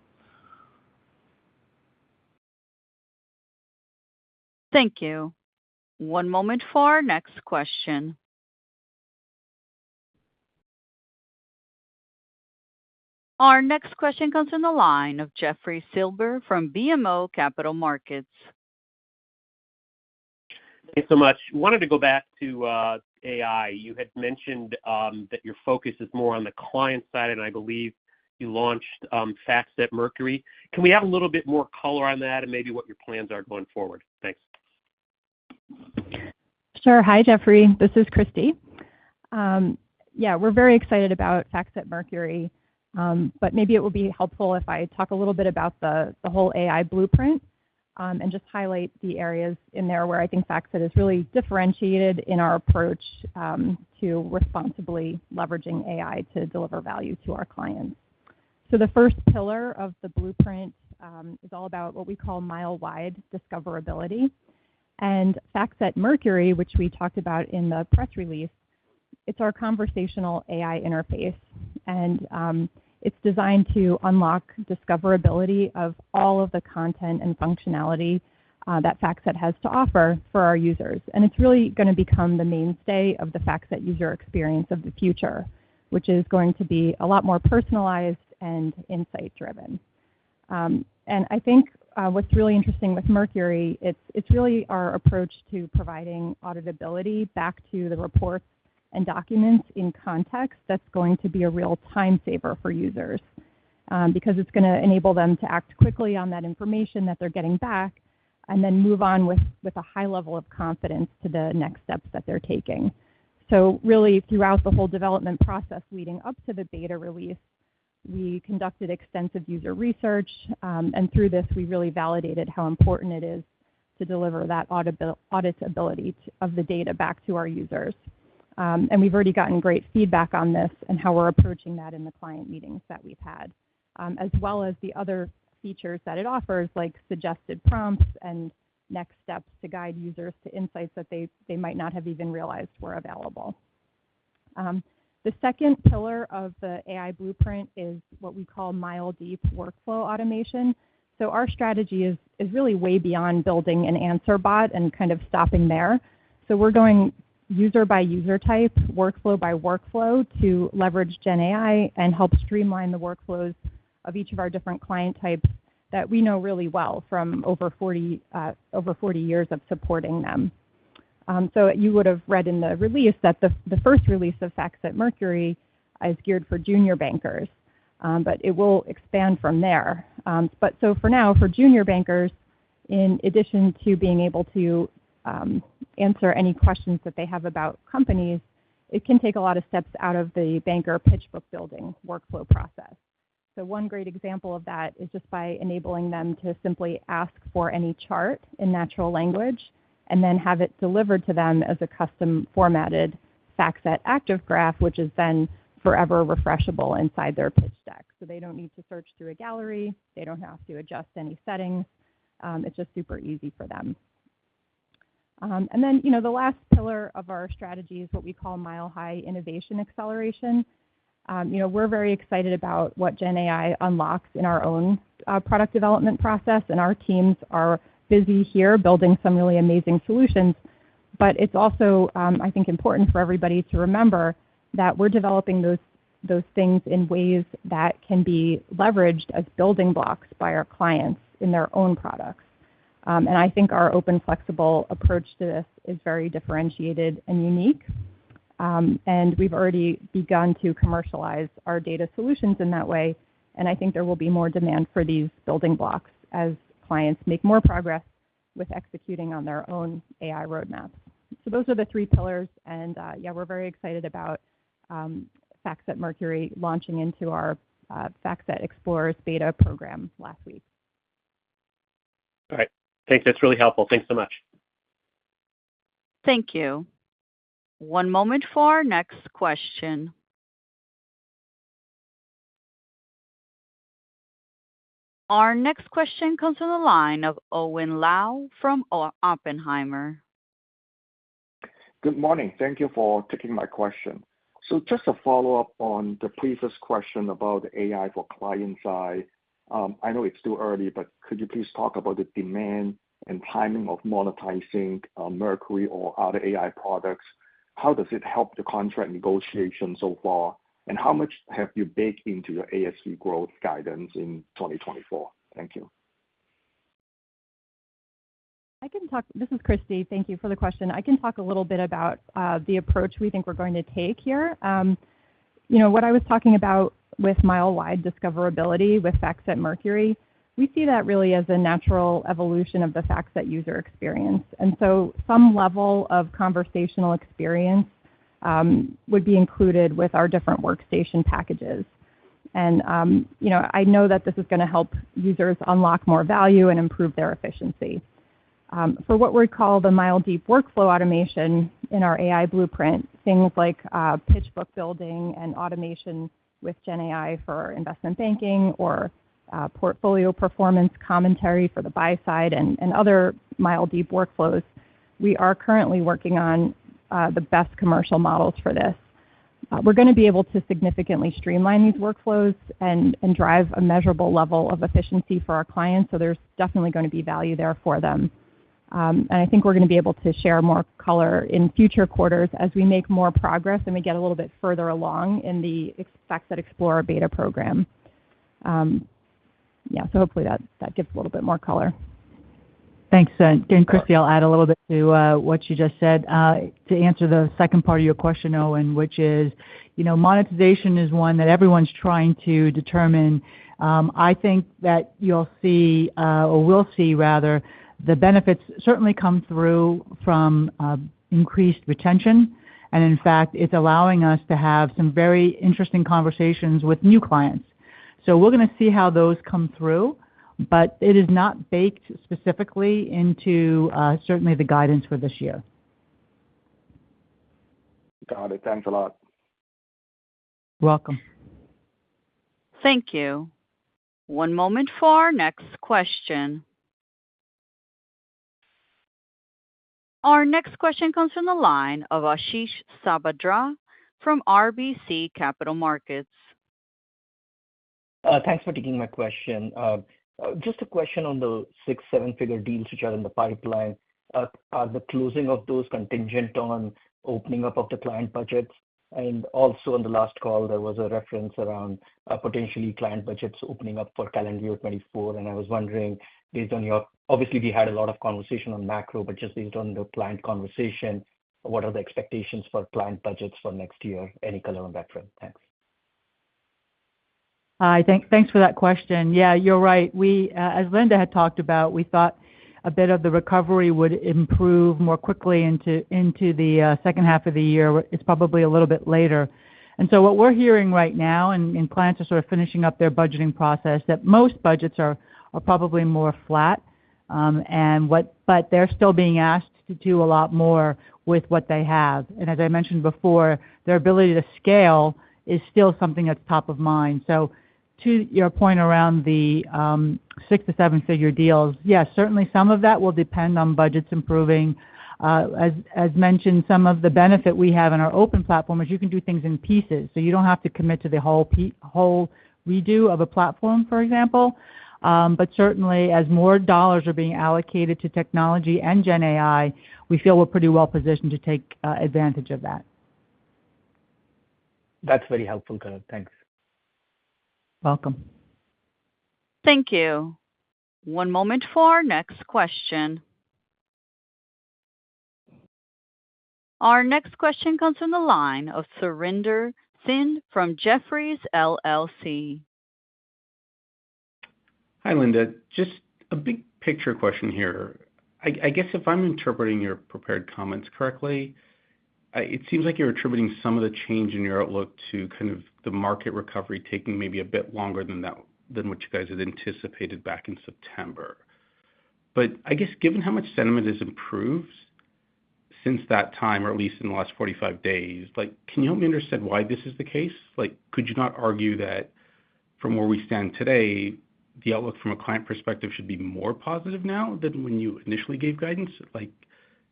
Thank you. One moment for our next question. Our next question comes in the line of Jeffrey Silber from BMO Capital Markets. Thanks so much. Wanted to go back to AI. You had mentioned that your focus is more on the client side, and I believe you launched FactSet Mercury. Can we have a little bit more color on that and maybe what your plans are going forward? Thanks. Sure. Hi, Jeffrey, this is Kristi. Yeah, we're very excited about FactSet Mercury. But maybe it will be helpful if I talk a little bit about the whole AI Blueprint, and just highlight the areas in there where I think FactSet is really differentiated in our approach to responsibly leveraging AI to deliver value to our clients. So the first pillar of the blueprint is all about what we call Mile-Wide Discoverability. And FactSet Mercury, which we talked about in the press release, it's our conversational AI interface, and it's designed to unlock discoverability of all of the content and functionality that FactSet has to offer for our users. And it's really gonna become the mainstay of the FactSet user experience of the future, which is going to be a lot more personalized and insight driven. And I think what's really interesting with Mercury, it's really our approach to providing auditability back to the reports and documents in context. That's going to be a real time saver for users, because it's gonna enable them to act quickly on that information that they're getting back and then move on with a high level of confidence to the next steps that they're taking. So really, throughout the whole development process leading up to the beta release, we conducted extensive user research, and through this, we really validated how important it is to deliver that auditability of the data back to our users. And we've already gotten great feedback on this and how we're approaching that in the client meetings that we've had. As well as the other features that it offers, like suggested prompts and next steps to guide users to insights that they might not have even realized were available. The second pillar of the AI blueprint is what we call Mile-Deep Workflow Automation. So our strategy is really way beyond building an answer bot and kind of stopping there. So we're going user by user type, workflow by workflow to leverage Gen AI and help streamline the workflows of each of our different client types that we know really well from over 40 years of supporting them. So you would have read in the release that the first release of FactSet Mercury is geared for junior bankers, but it will expand from there. But so for now, for junior bankers, in addition to being able to answer any questions that they have about companies, it can take a lot of steps out of the banker pitch book building workflow process. So one great example of that is just by enabling them to simply ask for any chart in natural language and then have it delivered to them as a custom-formatted FactSet ActiveGraph, which is then forever refreshable inside their pitch deck. So they don't need to search through a gallery. They don't have to adjust any settings. It's just super easy for them. And then, you know, the last pillar of our strategy is what we call Mile-High Innovation Acceleration. You know, we're very excited about what Gen AI unlocks in our own product development process, and our teams are busy here building some really amazing solutions. But it's also, I think, important for everybody to remember that we're developing those, those things in ways that can be leveraged as building blocks by our clients in their own products. And I think our open, flexible approach to this is very differentiated and unique. And we've already begun to commercialize our data solutions in that way, and I think there will be more demand for these building blocks as clients make more progress with executing on their own AI roadmaps. So those are the three pillars, and yeah, we're very excited about FactSet Mercury launching into our FactSet Explorer beta program last week. All right. Thanks, that's really helpful. Thanks so much. Thank you. One moment for our next question. Our next question comes from the line of Owen Lau from Oppenheimer. Good morning. Thank you for taking my question. Just a follow-up on the previous question about AI for client side. I know it's still early, but could you please talk about the demand and timing of monetizing, Mercury or other AI products? How does it help the contract negotiation so far, and how much have you baked into your ASV growth guidance in 2024? Thank you. This is Kristi. Thank you for the question. I can talk a little bit about the approach we think we're going to take here. You know, what I was talking about with Mile-Wide Discoverability with FactSet Mercury, we see that really as a natural evolution of the FactSet user experience. And so some level of conversational experience would be included with our different workstation packages. And you know, I know that this is going to help users unlock more value and improve their efficiency. For what we'd call the Mile-Deep Workflow Automation in our AI blueprint, things like pitch book building and automation with Gen AI for investment banking or portfolio performance commentary for the buy side and, and other mile-deep workflows, we are currently working on the best commercial models for this. We're going to be able to significantly streamline these workflows and drive a measurable level of efficiency for our clients, so there's definitely going to be value there for them. And I think we're going to be able to share more color in future quarters as we make more progress and we get a little bit further along in the FactSet Explorer beta program. Yeah, so hopefully that gives a little bit more color. Thanks, then, and Christie, I'll add a little bit to what you just said. To answer the second part of your question, Owen, which is, you know, monetization is one that everyone's trying to determine. I think that you'll see, or we'll see, rather, the benefits certainly come through from increased retention. And in fact, it's allowing us to have some very interesting conversations with new clients. So we're going to see how those come through, but it is not baked specifically into certainly the guidance for this year. Got it. Thanks a lot. Welcome. Thank you. One moment for our next question. Our next question comes from the line of Ashish Sabadra from RBC Capital Markets. Thanks for taking my question. Just a question on the six, seven-figure deals which are in the pipeline. Are the closing of those contingent on opening up of the client budgets? And also in the last call, there was a reference around potentially client budgets opening up for calendar year 2024, and I was wondering, based on your-- obviously, we had a lot of conversation on macro, but just based on the client conversation, what are the expectations for client budgets for next year? Any color on that front? Thanks. Hi, thanks for that question. Yeah, you're right. We, as Linda had talked about, we thought a bit of the recovery would improve more quickly into the second half of the year. It's probably a little bit later. And so what we're hearing right now, and clients are sort of finishing up their budgeting process, that most budgets are probably more flat, and what—but they're still being asked to do a lot more with what they have. And as I mentioned before, their ability to scale is still something that's top of mind. So to your point around the 6-7-figure deals, yes, certainly some of that will depend on budgets improving. As mentioned, some of the benefit we have in our open platform is you can do things in pieces, so you don't have to commit to the whole redo of a platform, for example. But certainly, as more dollars are being allocated to technology and Gen AI, we feel we're pretty well positioned to take advantage of that. That's very helpful, Karan. Thanks. Welcome. Thank you. One moment for our next question. Our next question comes from the line of Surinder Thind from Jefferies LLC. Hi, Linda. Just a big picture question here. I guess if I'm interpreting your prepared comments correctly, it seems like you're attributing some of the change in your outlook to kind of the market recovery taking maybe a bit longer than that, than what you guys had anticipated back in September. But I guess, given how much sentiment has improved since that time, or at least in the last 45 days, like, can you help me understand why this is the case? Like, could you not argue that from where we stand today, the outlook from a client perspective should be more positive now than when you initially gave guidance? Like,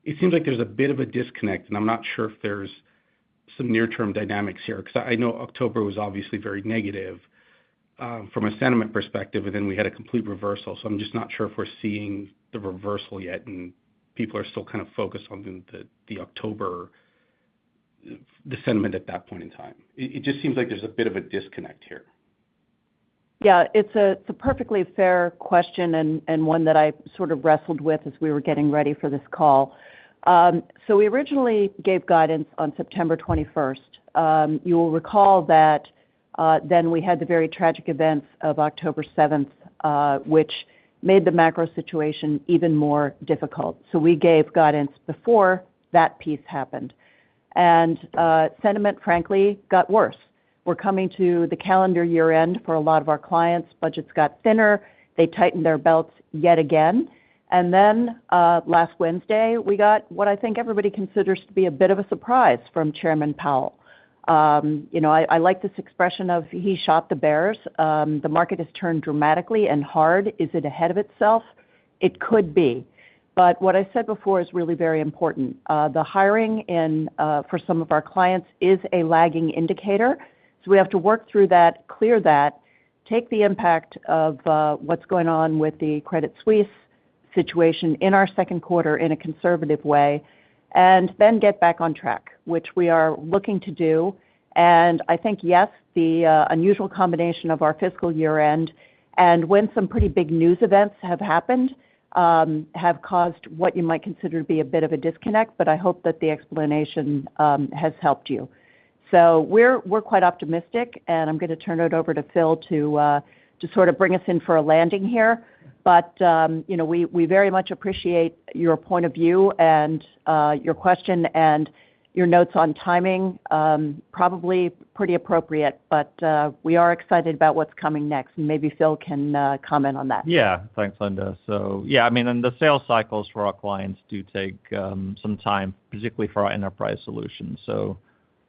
it seems like there's a bit of a disconnect, and I'm not sure if there's some near-term dynamics here, 'cause I know October was obviously very negative from a sentiment perspective, and then we had a complete reversal. So I'm just not sure if we're seeing the reversal yet, and people are still kind of focused on the October, the sentiment at that point in time. It just seems like there's a bit of a disconnect here. Yeah, it's a perfectly fair question and one that I sort of wrestled with as we were getting ready for this call. So we originally gave guidance on September twenty-first. You will recall that then we had the very tragic events of October seventh, which made the macro situation even more difficult. So we gave guidance before that piece happened, and sentiment, frankly, got worse. We're coming to the calendar year end for a lot of our clients. Budgets got thinner. They tightened their belts yet again. And then last Wednesday, we got what I think everybody considers to be a bit of a surprise from Chairman Powell. You know, I like this expression of he shot the bears. The market has turned dramatically and hard. Is it ahead of itself? It could be, but what I said before is really very important. The hiring and, for some of our clients is a lagging indicator, so we have to work through that, clear that, take the impact of, what's going on with the Credit Suisse situation in our second quarter in a conservative way, and then get back on track, which we are looking to do. And I think, yes, the unusual combination of our fiscal year-end and when some pretty big news events have happened, have caused what you might consider to be a bit of a disconnect, but I hope that the explanation has helped you. So we're, we're quite optimistic, and I'm gonna turn it over to Phil to, to sort of bring us in for a landing here. But, you know, we very much appreciate your point of view and your question and your notes on timing. Probably pretty appropriate, but we are excited about what's coming next, and maybe Phil can comment on that. Yeah. Thanks, Linda. So, yeah, I mean, and the sales cycles for our clients do take some time, particularly for our enterprise solutions. So,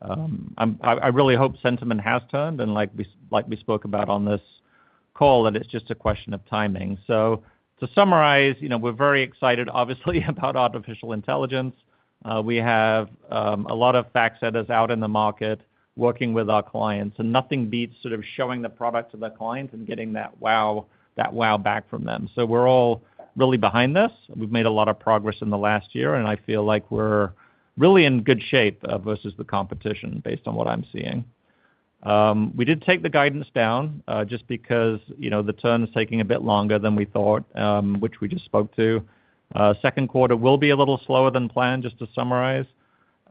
I really hope sentiment has turned, and like we spoke about on this call, that it's just a question of timing. So to summarize, you know, we're very excited, obviously, about artificial intelligence. We have a lot of FactSet is out in the market working with our clients, and nothing beats sort of showing the product to the clients and getting that wow, that wow back from them. So we're all really behind this. We've made a lot of progress in the last year, and I feel like we're really in good shape versus the competition, based on what I'm seeing. We did take the guidance down, just because, you know, the turn is taking a bit longer than we thought, which we just spoke to. Second quarter will be a little slower than planned, just to summarize.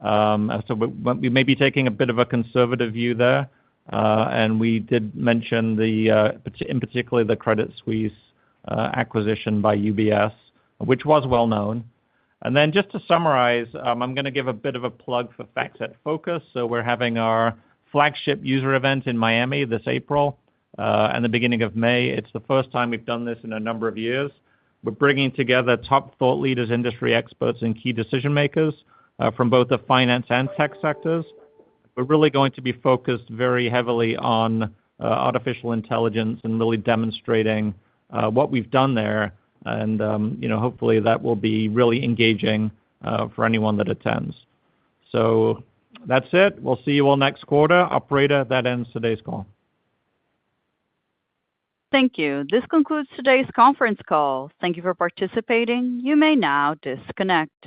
So but we may be taking a bit of a conservative view there. And we did mention the, in particularly, the Credit Suisse acquisition by UBS, which was well known. And then just to summarize, I'm gonna give a bit of a plug for FactSet Focus. So we're having our flagship user event in Miami this April, and the beginning of May. It's the first time we've done this in a number of years. We're bringing together top thought leaders, industry experts, and key decision-makers, from both the finance and tech sectors. We're really going to be focused very heavily on artificial intelligence and really demonstrating what we've done there. And, you know, hopefully, that will be really engaging for anyone that attends. So that's it. We'll see you all next quarter. Operator, that ends today's call. Thank you. This concludes today's conference call. Thank you for participating. You may now disconnect.